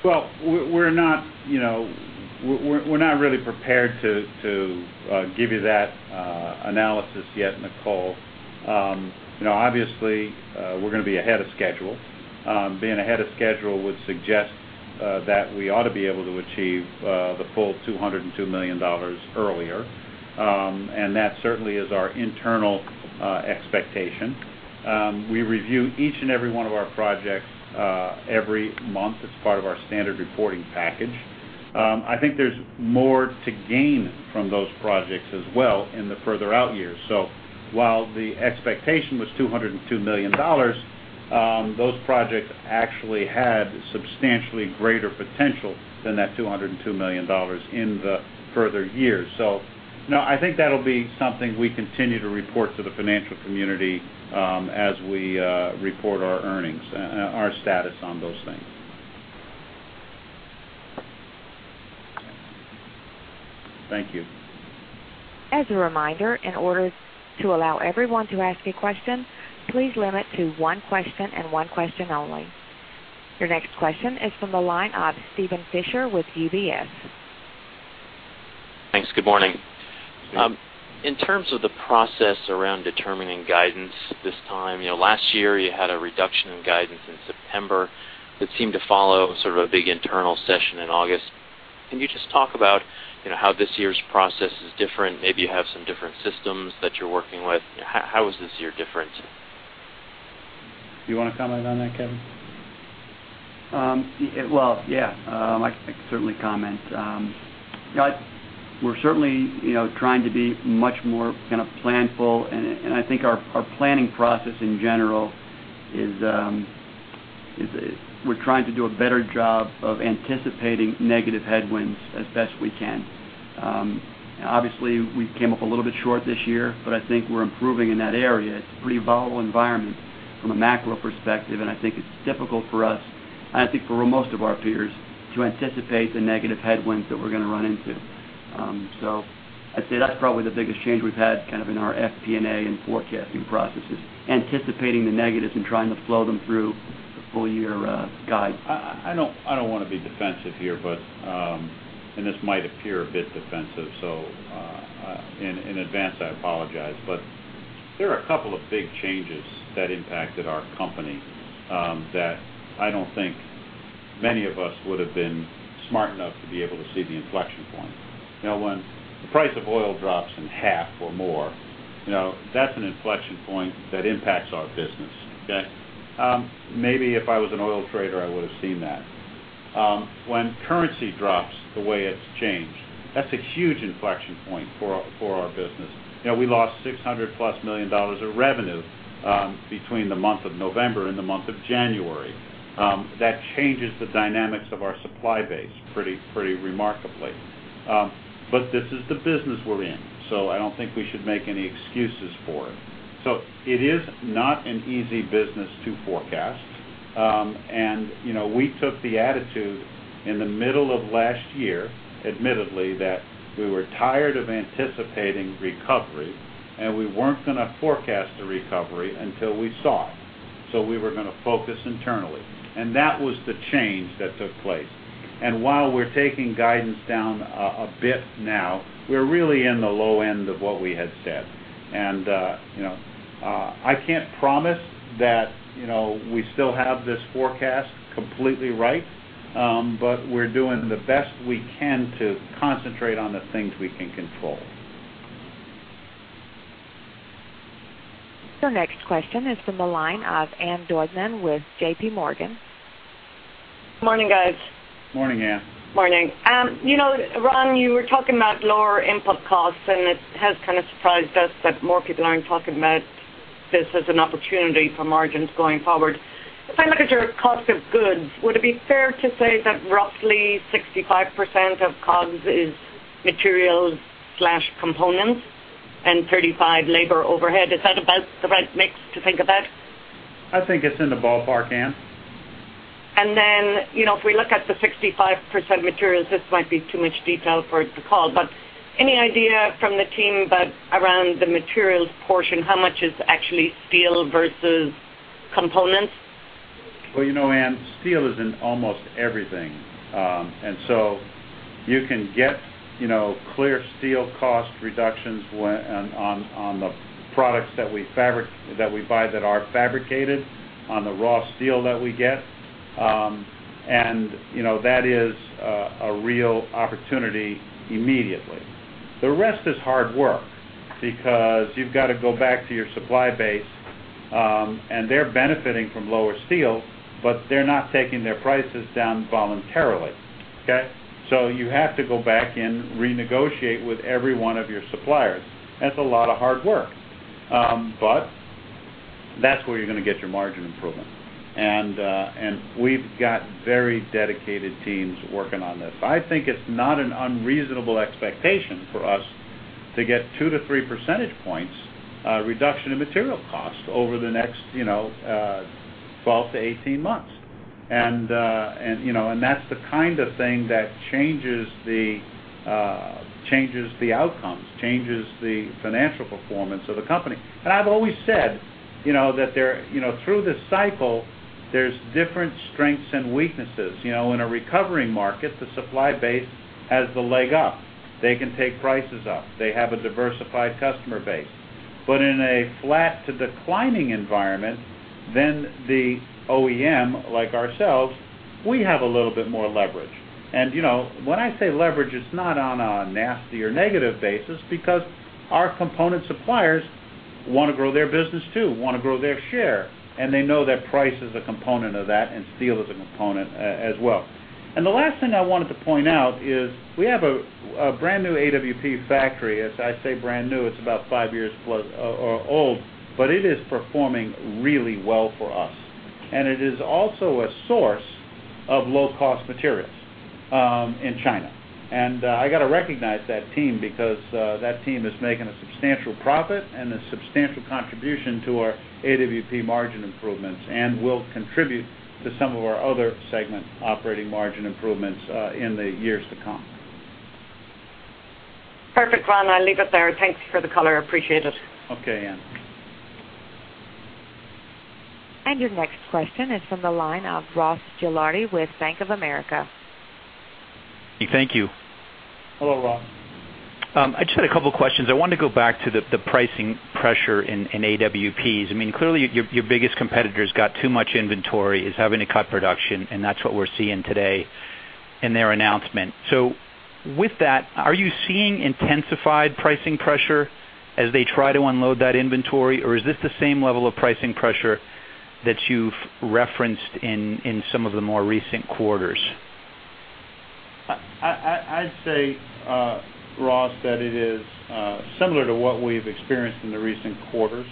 Well, we're not really prepared to give you that analysis yet, Nicole. Obviously, we're going to be ahead of schedule. Being ahead of schedule would suggest that we ought to be able to achieve the full $202 million earlier. That certainly is our internal expectation. We review each and every one of our projects every month as part of our standard reporting package. I think there's more to gain from those projects as well in the further out years. While the expectation was $202 million, those projects actually had substantially greater potential than that $202 million in the further years. No, I think that'll be something we continue to report to the financial community as we report our earnings, our status on those things. Thank you. As a reminder, in order to allow everyone to ask a question, please limit to one question and one question only. Your next question is from the line of Steven Fisher with UBS. Thanks. Good morning. Good morning. In terms of the process around determining guidance this time, last year you had a reduction in guidance in September that seemed to follow sort of a big internal session in August. Can you just talk about how this year's process is different? Maybe you have some different systems that you're working with. How is this year different? Do you want to comment on that, Kevin? Well, yeah. I can certainly comment. We're certainly trying to be much more kind of planful, and I think our planning process in general is we're trying to do a better job of anticipating negative headwinds as best we can. Obviously, we came up a little bit short this year, but I think we're improving in that area. It's a pretty volatile environment from a macro perspective, and I think it's difficult for us and I think for most of our peers to anticipate the negative headwinds that we're going to run into. I'd say that's probably the biggest change we've had kind of in our FP&A and forecasting processes, anticipating the negatives and trying to flow them through the full-year guide. I don't want to be defensive here, and this might appear a bit defensive, so in advance I apologize, but there are a couple of big changes that impacted our company that I don't think many of us would have been smart enough to be able to see the inflection point. When the price of oil drops in half or more, that's an inflection point that impacts our business. Okay? Maybe if I was an oil trader, I would've seen that. When currency drops the way it's changed, that's a huge inflection point for our business. We lost $600-plus million of revenue between the month of November and the month of January. That changes the dynamics of our supply base pretty remarkably. This is the business we're in, I don't think we should make any excuses for it. It is not an easy business to forecast. We took the attitude in the middle of last year, admittedly, that we were tired of anticipating recovery, and we weren't going to forecast a recovery until we saw it. We were going to focus internally, and that was the change that took place. While we're taking guidance down a bit now, we're really in the low end of what we had said. I can't promise that we still have this forecast completely right, but we're doing the best we can to concentrate on the things we can control. Your next question is from the line of Ann Duignan with J.P. Morgan. Morning, guys. Morning, Ann. Morning. Ron, you were talking about lower input costs. It has kind of surprised us that more people aren't talking about this as an opportunity for margins going forward. If I look at your cost of goods, would it be fair to say that roughly 65% of COGS is materials/components and 35 labor overhead? Is that about the right mix to think about? I think it's in the ballpark, Ann. If we look at the 65% materials, this might be too much detail for the call, but any idea from the team around the materials portion, how much is actually steel versus components? Well, Ann, steel is in almost everything. You can get clear steel cost reductions on the products that we buy that are fabricated on the raw steel that we get. That is a real opportunity immediately. The rest is hard work because you've got to go back to your supply base, and they're benefiting from lower steel, but they're not taking their prices down voluntarily. Okay? You have to go back and renegotiate with every one of your suppliers. That's a lot of hard work. That's where you're going to get your margin improvement. We've got very dedicated teams working on this. I think it's not an unreasonable expectation for us to get 2%-3% percentage points reduction in material cost over the next 12-18 months. That's the kind of thing that changes the outcomes, changes the financial performance of the company. I've always said, that through this cycle, there's different strengths and weaknesses. In a recovery market, the supply base has the leg up. They can take prices up. They have a diversified customer base. In a flat to declining environment, then the OEM, like ourselves, we have a little bit more leverage. When I say leverage, it's not on a nasty or negative basis because our component suppliers want to grow their business too, want to grow their share, and they know that price is a component of that, and steel is a component as well. The last thing I wanted to point out is we have a brand new AWP factory. As I say brand new, it's about five years plus or old, but it is performing really well for us. It is also a source of low-cost materials in China. I got to recognize that team because that team is making a substantial profit and a substantial contribution to our AWP margin improvements and will contribute to some of our other segment operating margin improvements in the years to come. Perfect, Ron. I'll leave it there. Thanks for the color. Appreciate it. Okay, Ann. Your next question is from the line of Ross Gilardi with Bank of America. Thank you. Hello, Ross. I just had a couple questions. I wanted to go back to the pricing pressure in AWPs. Clearly, your biggest competitor's got too much inventory, is having to cut production, and that's what we're seeing today in their announcement. With that, are you seeing intensified pricing pressure as they try to unload that inventory? Or is this the same level of pricing pressure that you've referenced in some of the more recent quarters? I'd say, Ross, that it is similar to what we've experienced in the recent quarters.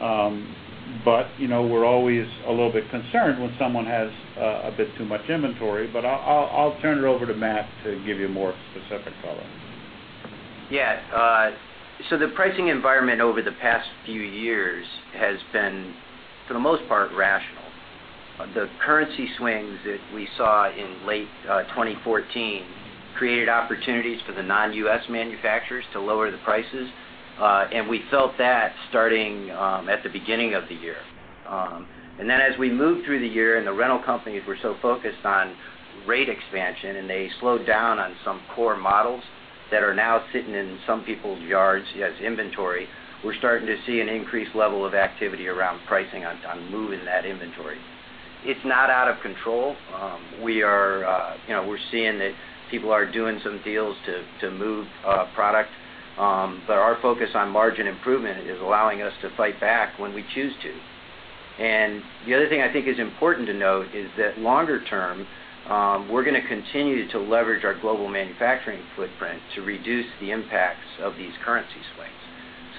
We're always a little bit concerned when someone has a bit too much inventory. I'll turn it over to Matt to give you more specific color. Yeah. The pricing environment over the past few years has been, for the most part, rational. The currency swings that we saw in late 2014 created opportunities for the non-U.S. manufacturers to lower the prices. We felt that starting at the beginning of the year. Then as we moved through the year and the rental companies were so focused on rate expansion and they slowed down on some core models that are now sitting in some people's yards as inventory, we're starting to see an increased level of activity around pricing on moving that inventory. It's not out of control. We're seeing that people are doing some deals to move product. Our focus on margin improvement is allowing us to fight back when we choose to. The other thing I think is important to note is that longer term, we're going to continue to leverage our global manufacturing footprint to reduce the impacts of these currency swings.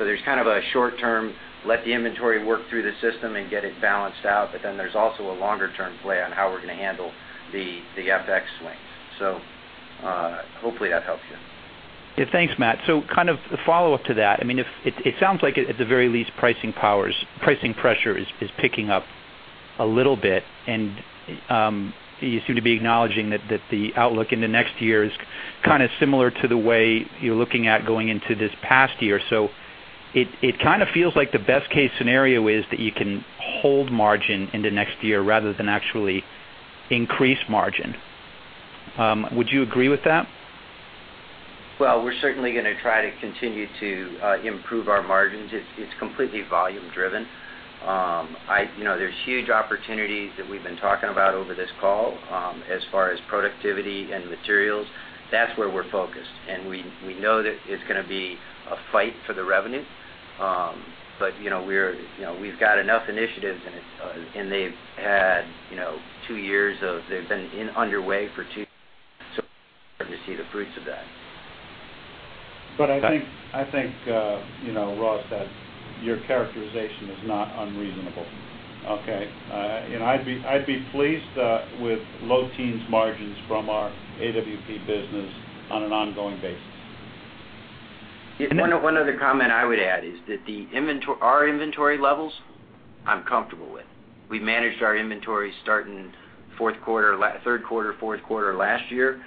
There's kind of a short term, let the inventory work through the system and get it balanced out, but then there's also a longer-term play on how we're going to handle the FX swings. Hopefully that helps you. Yeah, thanks, Matt. Kind of a follow-up to that. It sounds like at the very least, pricing pressure is picking up a little bit, and you seem to be acknowledging that the outlook in the next year is kind of similar to the way you're looking at going into this past year. It kind of feels like the best-case scenario is that you can hold margin into next year rather than actually increase margin. Would you agree with that? We're certainly going to try to continue to improve our margins. It's completely volume driven. There's huge opportunities that we've been talking about over this call, as far as productivity and materials. That's where we're focused, and we know that it's going to be a fight for the revenue. We've got enough initiatives, and they've been underway for two years, so we're starting to see the fruits of that. I think, Ross, that your characterization is not unreasonable. Okay. I'd be pleased with low teens margins from our AWP business on an ongoing basis. One other comment I would add is that our inventory levels, I'm comfortable with. We managed our inventory starting third quarter, fourth quarter last year.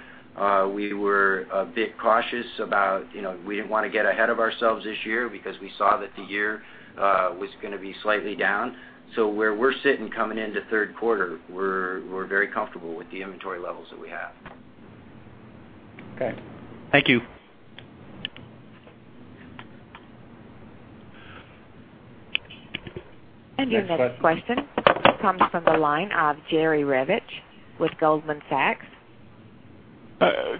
We were a bit cautious about, we didn't want to get ahead of ourselves this year because we saw that the year was going to be slightly down. Where we're sitting coming into third quarter, we're very comfortable with the inventory levels that we have. Okay. Thank you. Your next question comes from the line of Jerry Revich with Goldman Sachs.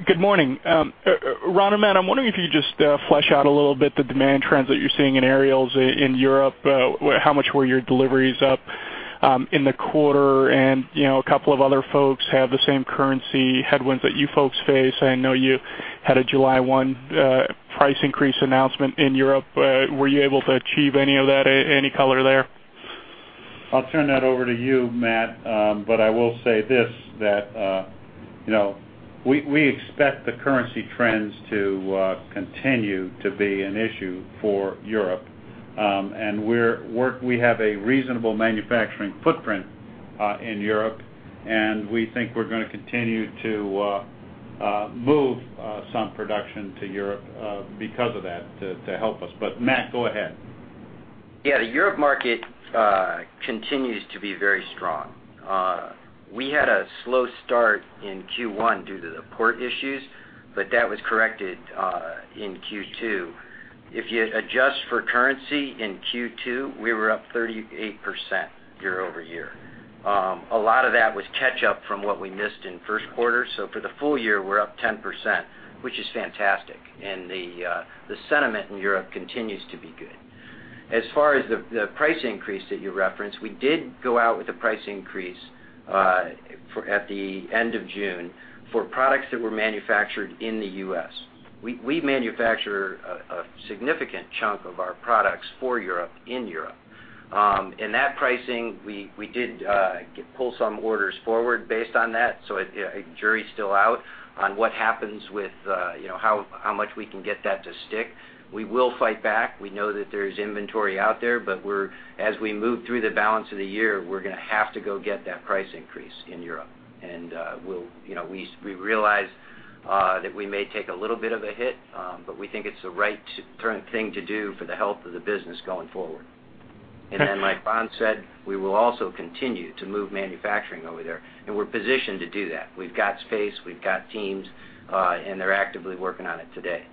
Good morning. Ron and Matt, I'm wondering if you could just flesh out a little bit the demand trends that you're seeing in aerials in Europe. How much were your deliveries up in the quarter? A couple of other folks have the same currency headwinds that you folks face. I know you had a July 1 price increase announcement in Europe. Were you able to achieve any of that? Any color there? I'll turn that over to you, Matt. I will say this, that we expect the currency trends to continue to be an issue for Europe. We have a reasonable manufacturing footprint in Europe, and we think we're going to continue to move some production to Europe because of that to help us. Matt, go ahead. Yeah, the Europe market continues to be very strong. We had a slow start in Q1 due to the port issues, but that was corrected in Q2. If you adjust for currency in Q2, we were up 38% year-over-year. A lot of that was catch-up from what we missed in first quarter. For the full year, we're up 10%, which is fantastic. The sentiment in Europe continues to be good. As far as the price increase that you referenced, we did go out with a price increase at the end of June for products that were manufactured in the U.S. We manufacture a significant chunk of our products for Europe in Europe. That pricing, we did pull some orders forward based on that. The jury's still out on what happens with how much we can get that to stick. We will fight back. We know that there's inventory out there. As we move through the balance of the year, we're going to have to go get that price increase in Europe. We realize that we may take a little bit of a hit, but we think it's the right thing to do for the health of the business going forward. Like Ron said, we will also continue to move manufacturing over there, and we're positioned to do that. We've got space, we've got teams, and they're actively working on it today.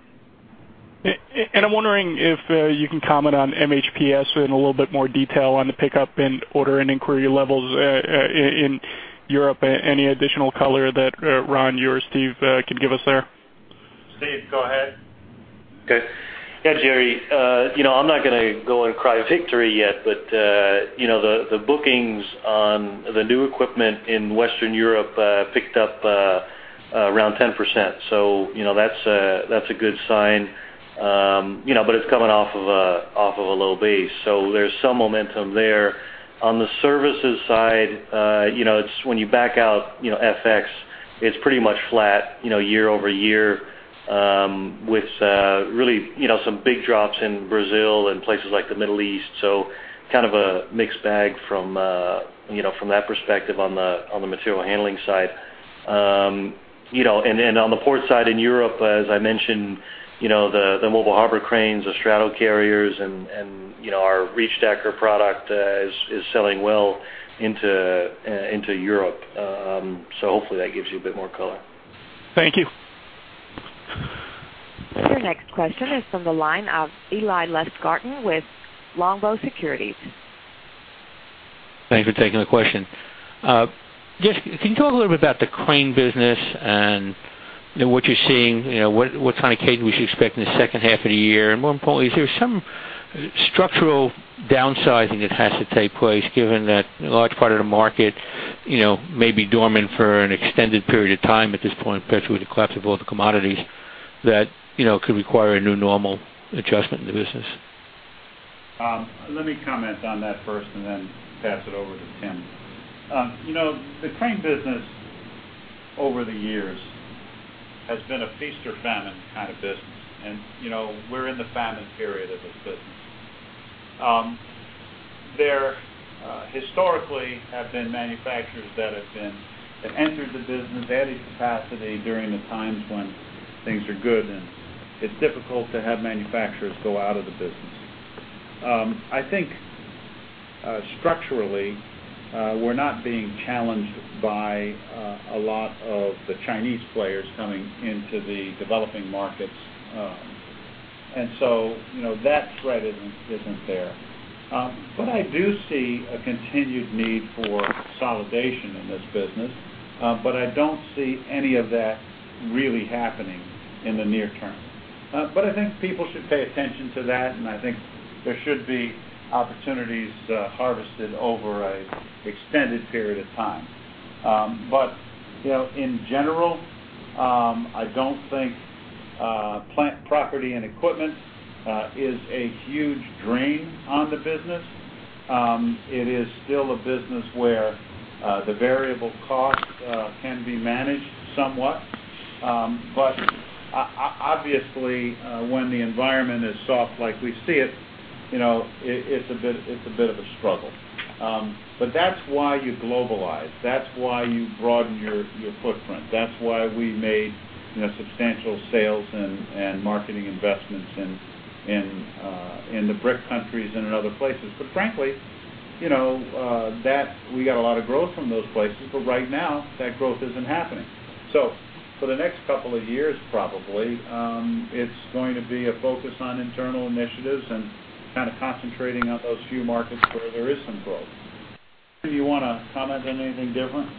I'm wondering if you can comment on MHPS in a little bit more detail on the pickup in order and inquiry levels in Europe. Any additional color that Ron, you or Steve can give us there? Steve, go ahead. Okay. Yeah, Jerry, I'm not going to go and cry victory yet. The bookings on the new equipment in Western Europe picked up around 10%. That's a good sign. It's coming off of a low base. There's some momentum there. On the services side, when you back out FX, it's pretty much flat year-over-year with really some big drops in Brazil and places like the Middle East. Kind of a mixed bag from that perspective on the material handling side. On the port side in Europe, as I mentioned, the mobile harbor cranes, the straddle carriers, and our reach stacker product is selling well into Europe. Hopefully that gives you a bit more color. Thank you. Your next question is from the line of Eli Lustgarten with Longbow Securities. Thanks for taking the question. Can you talk a little bit about the crane business and what you're seeing, what kind of cadence we should expect in the second half of the year? More importantly, is there some structural downsizing that has to take place given that a large part of the market may be dormant for an extended period of time at this point, especially with the collapse of all the commodities, that could require a new normal adjustment in the business? Let me comment on that first and then pass it over to Tim. The crane business over the years has been a feast or famine kind of business. We're in the famine period of this business. There historically have been manufacturers that have entered the business, added capacity during the times when things are good, and it's difficult to have manufacturers go out of the business. I think structurally, we're not being challenged by a lot of the Chinese players coming into the developing markets. So that threat isn't there. I do see a continued need for consolidation in this business. I don't see any of that really happening in the near term. I think people should pay attention to that, and I think there should be opportunities harvested over an extended period of time. In general, I don't think plant property and equipment is a huge drain on the business. It is still a business where the variable cost can be managed somewhat. Obviously, when the environment is soft like we see it's a bit of a struggle. That's why you globalize. That's why you broaden your footprint. That's why we made substantial sales and marketing investments in the BRIC countries and in other places. Frankly, we got a lot of growth from those places. Right now, that growth isn't happening. For the next couple of years probably, it's going to be a focus on internal initiatives and kind of concentrating on those few markets where there is some growth. Tim, do you want to comment on anything different?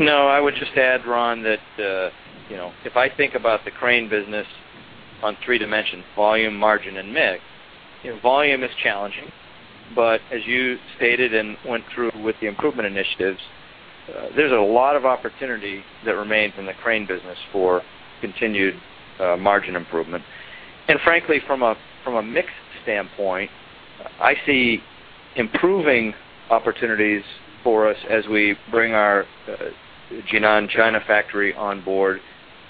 I would just add, Ron, that if I think about the crane business on three dimensions, volume, margin, and mix, volume is challenging. As you stated and went through with the improvement initiatives, there's a lot of opportunity that remains in the crane business for continued margin improvement. Frankly, from a mix standpoint, I see improving opportunities for us as we bring our Jinan China factory on board,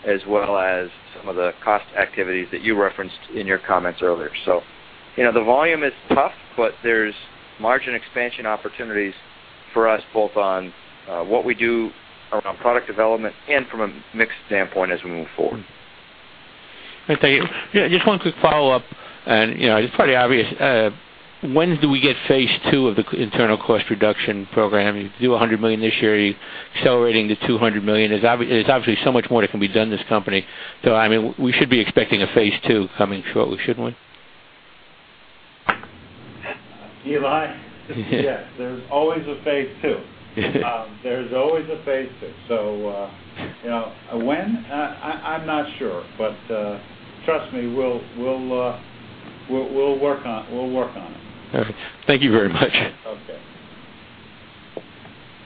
as well as some of the cost activities that you referenced in your comments earlier. The volume is tough, but there's margin expansion opportunities for us, both on what we do around product development and from a mix standpoint as we move forward. Okay. Just one quick follow-up, and it's pretty obvious. When do we get phase two of the internal cost reduction program? You do $100 million this year. Are you accelerating to $200 million? There's obviously so much more that can be done in this company. We should be expecting a phase two coming shortly, shouldn't we? Eli? Yeah. Yes. There's always a phase two. When? I'm not sure. Trust me, we'll work on it. Okay. Thank you very much. Okay.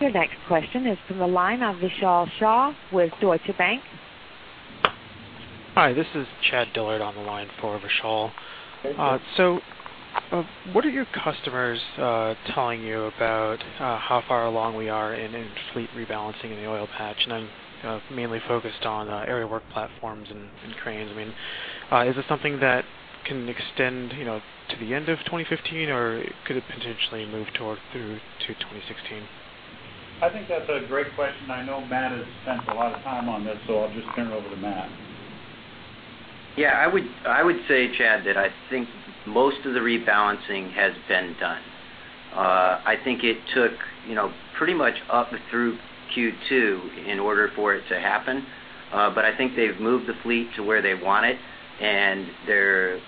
Your next question is from the line of Vishal Shah with Deutsche Bank. Hi, this is Chad Dillard on the line for Vishal. Thank you. What are your customers telling you about how far along we are in fleet rebalancing in the oil patch? I'm mainly focused on Aerial Work Platforms and cranes. Is it something that can extend to the end of 2015, or could it potentially move through to 2016? I think that's a great question. I know Matt has spent a lot of time on this, so I'll just turn it over to Matt. Yeah, I would say, Chad, that I think most of the rebalancing has been done. I think it took pretty much up through Q2 in order for it to happen. I think they've moved the fleet to where they want it, and they're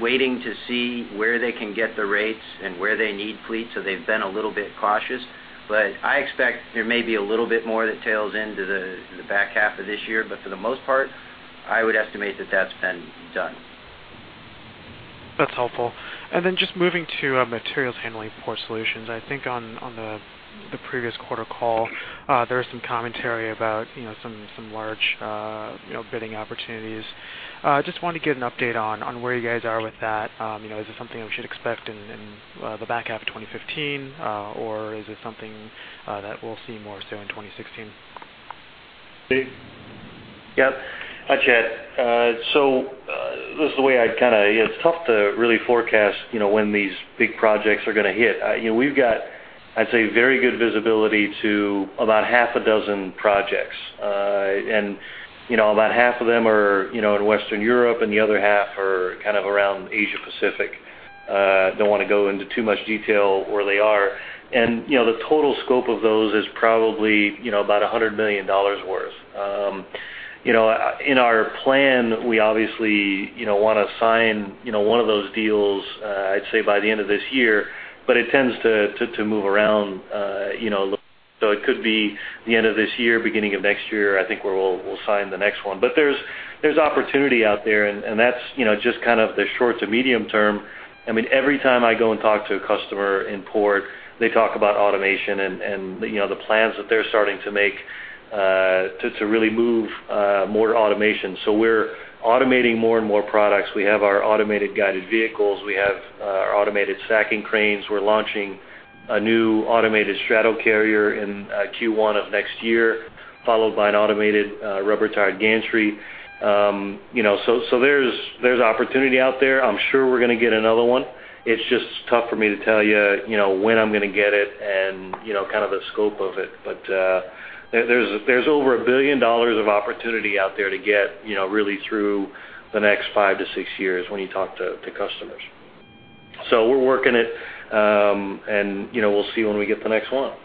waiting to see where they can get the rates and where they need fleet, so they've been a little bit cautious. I expect there may be a little bit more that tails into the back half of this year. For the most part, I would estimate that that's been done. That's helpful. Just moving to Material Handling & Port Solutions. I think on the previous quarter call, there was some commentary about some large bidding opportunities. Just want to get an update on where you guys are with that. Is it something we should expect in the back half of 2015, or is it something that we'll see more so in 2016? Dave? Yep. Hi, Chad. It's tough to really forecast when these big projects are going to hit. We've got, I'd say, very good visibility to about half a dozen projects. About half of them are in Western Europe, and the other half are kind of around Asia Pacific. Don't want to go into too much detail where they are. The total scope of those is probably about $100 million worth. In our plan, we obviously want to sign one of those deals, I'd say by the end of this year. It tends to move around, so it could be the end of this year, beginning of next year, I think, where we'll sign the next one. There's opportunity out there, and that's just kind of the short to medium term. Every time I go and talk to a customer in port, they talk about automation and the plans that they're starting to make to really move more to automation. We're automating more and more products. We have our automated guided vehicles. We have our automated stacking cranes. We're launching a new automated straddle carrier in Q1 of next year, followed by an automated rubber-tired gantry. There's opportunity out there. I'm sure we're going to get another one. It's just tough for me to tell you when I'm going to get it and kind of the scope of it. There's over $1 billion of opportunity out there to get really through the next five to six years when you talk to customers. We're working it, and we'll see when we get the next one.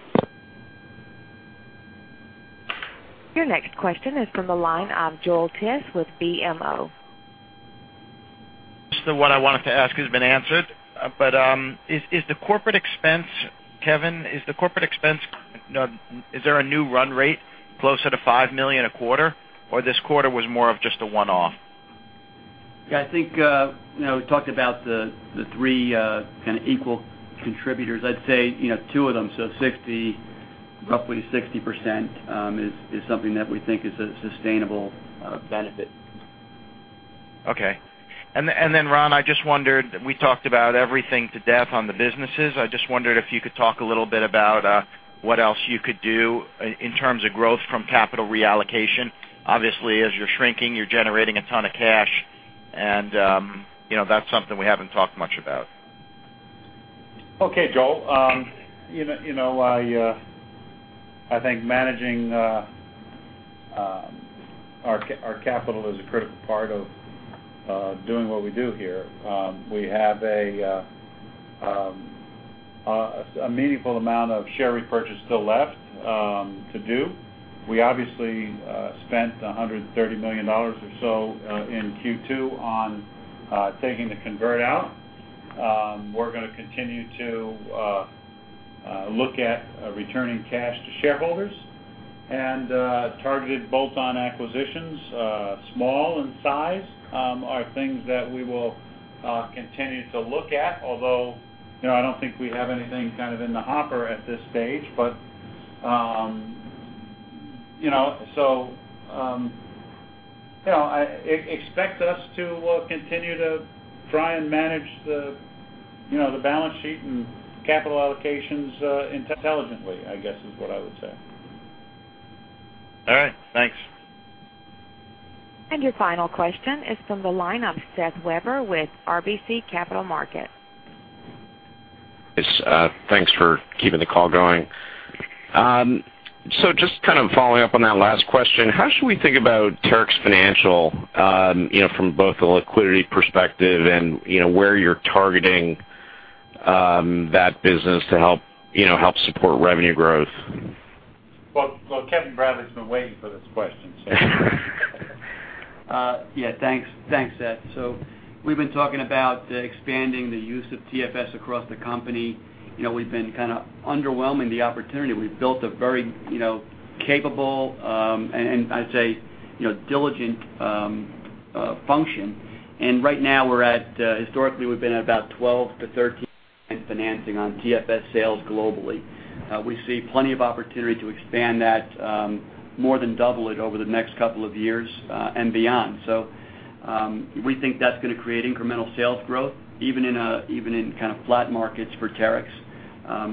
Your next question is from the line of Joel Tiss with BMO. Most of what I wanted to ask has been answered. Kevin, is the corporate expense, is there a new run rate closer to $5 million a quarter? This quarter was more of just a one-off? I think, we talked about the three kind of equal contributors. I'd say, two of them, roughly 60%, is something that we think is a sustainable benefit. Okay. Ron, we talked about everything to death on the businesses. I just wondered if you could talk a little bit about what else you could do in terms of growth from capital reallocation. Obviously, as you're shrinking, you're generating a ton of cash, and that's something we haven't talked much about. Okay, Joel. I think managing our capital is a critical part of doing what we do here. We have a meaningful amount of share repurchase still left to do. We obviously spent $130 million or so in Q2 on taking the convert out. We're going to continue to look at returning cash to shareholders. Targeted bolt-on acquisitions, small in size, are things that we will continue to look at, although, I don't think we have anything kind of in the hopper at this stage. Expect us to continue to try and manage the balance sheet and capital allocations intelligently, I guess is what I would say. All right. Thanks. Your final question is from the line of Seth Weber with RBC Capital Markets. Yes. Thanks for keeping the call going. Just kind of following up on that last question, how should we think about Terex Financial from both the liquidity perspective and where you're targeting that business to help support revenue growth? Well, Kevin Bradley's been waiting for this question. Yeah, thanks, Seth. We've been talking about expanding the use of TFS across the company. We've been kind of underwhelming the opportunity. We've built a very capable, and I'd say diligent function. Right now, historically, we've been at about 12%-13% in financing on TFS sales globally. We see plenty of opportunity to expand that, more than double it over the next couple of years and beyond. We think that's going to create incremental sales growth, even in kind of flat markets for Terex,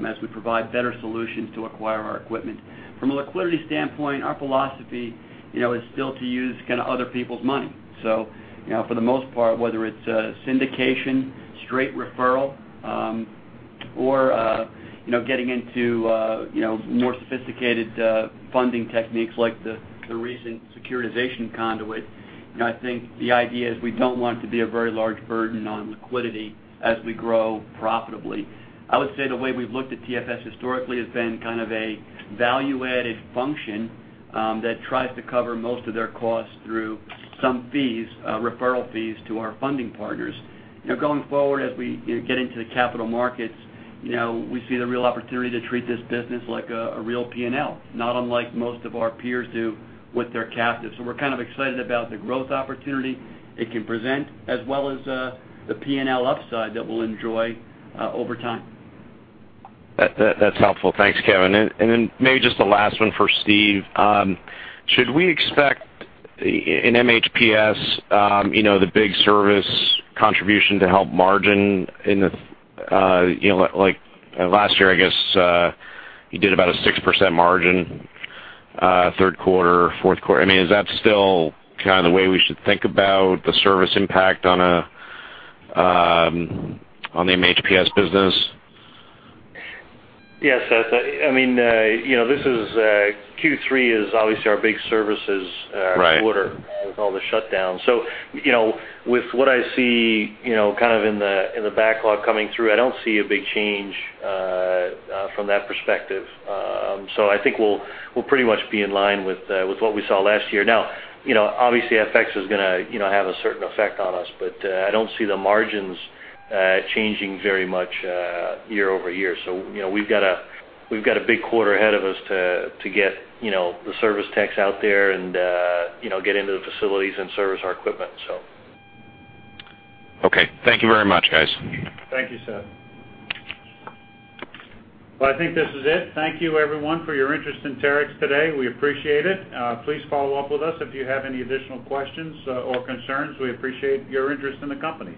as we provide better solutions to acquire our equipment. From a liquidity standpoint, our philosophy is still to use kind of other people's money. For the most part, whether it's syndication, straight referral, or getting into more sophisticated funding techniques like the recent securitization conduit, I think the idea is we don't want to be a very large burden on liquidity as we grow profitably. I would say the way we've looked at TFS historically has been kind of a value-added function that tries to cover most of their costs through some fees, referral fees to our funding partners. Now going forward, as we get into the capital markets, we see the real opportunity to treat this business like a real P&L, not unlike most of our peers do with their captive. We're kind of excited about the growth opportunity it can present, as well as the P&L upside that we'll enjoy over time. That's helpful. Thanks, Kevin. Maybe just the last one for Steve. Should we expect in MHPS, the big service contribution to help margin? Like last year, I guess, you did about a 6% margin, third quarter, fourth quarter. Is that still kind of the way we should think about the service impact on the MHPS business? Yes, Seth. Q3 is obviously our big services quarter- Right With all the shutdowns. With what I see in the backlog coming through, I don't see a big change from that perspective. I think we'll pretty much be in line with what we saw last year. Now, obviously, FX is going to have a certain effect on us, but I don't see the margins changing very much year-over-year. We've got a big quarter ahead of us to get the service techs out there and get into the facilities and service our equipment. Okay. Thank you very much, guys. Thank you, Seth. Well, I think this is it. Thank you, everyone, for your interest in Terex today. We appreciate it. Please follow up with us if you have any additional questions or concerns. We appreciate your interest in the company.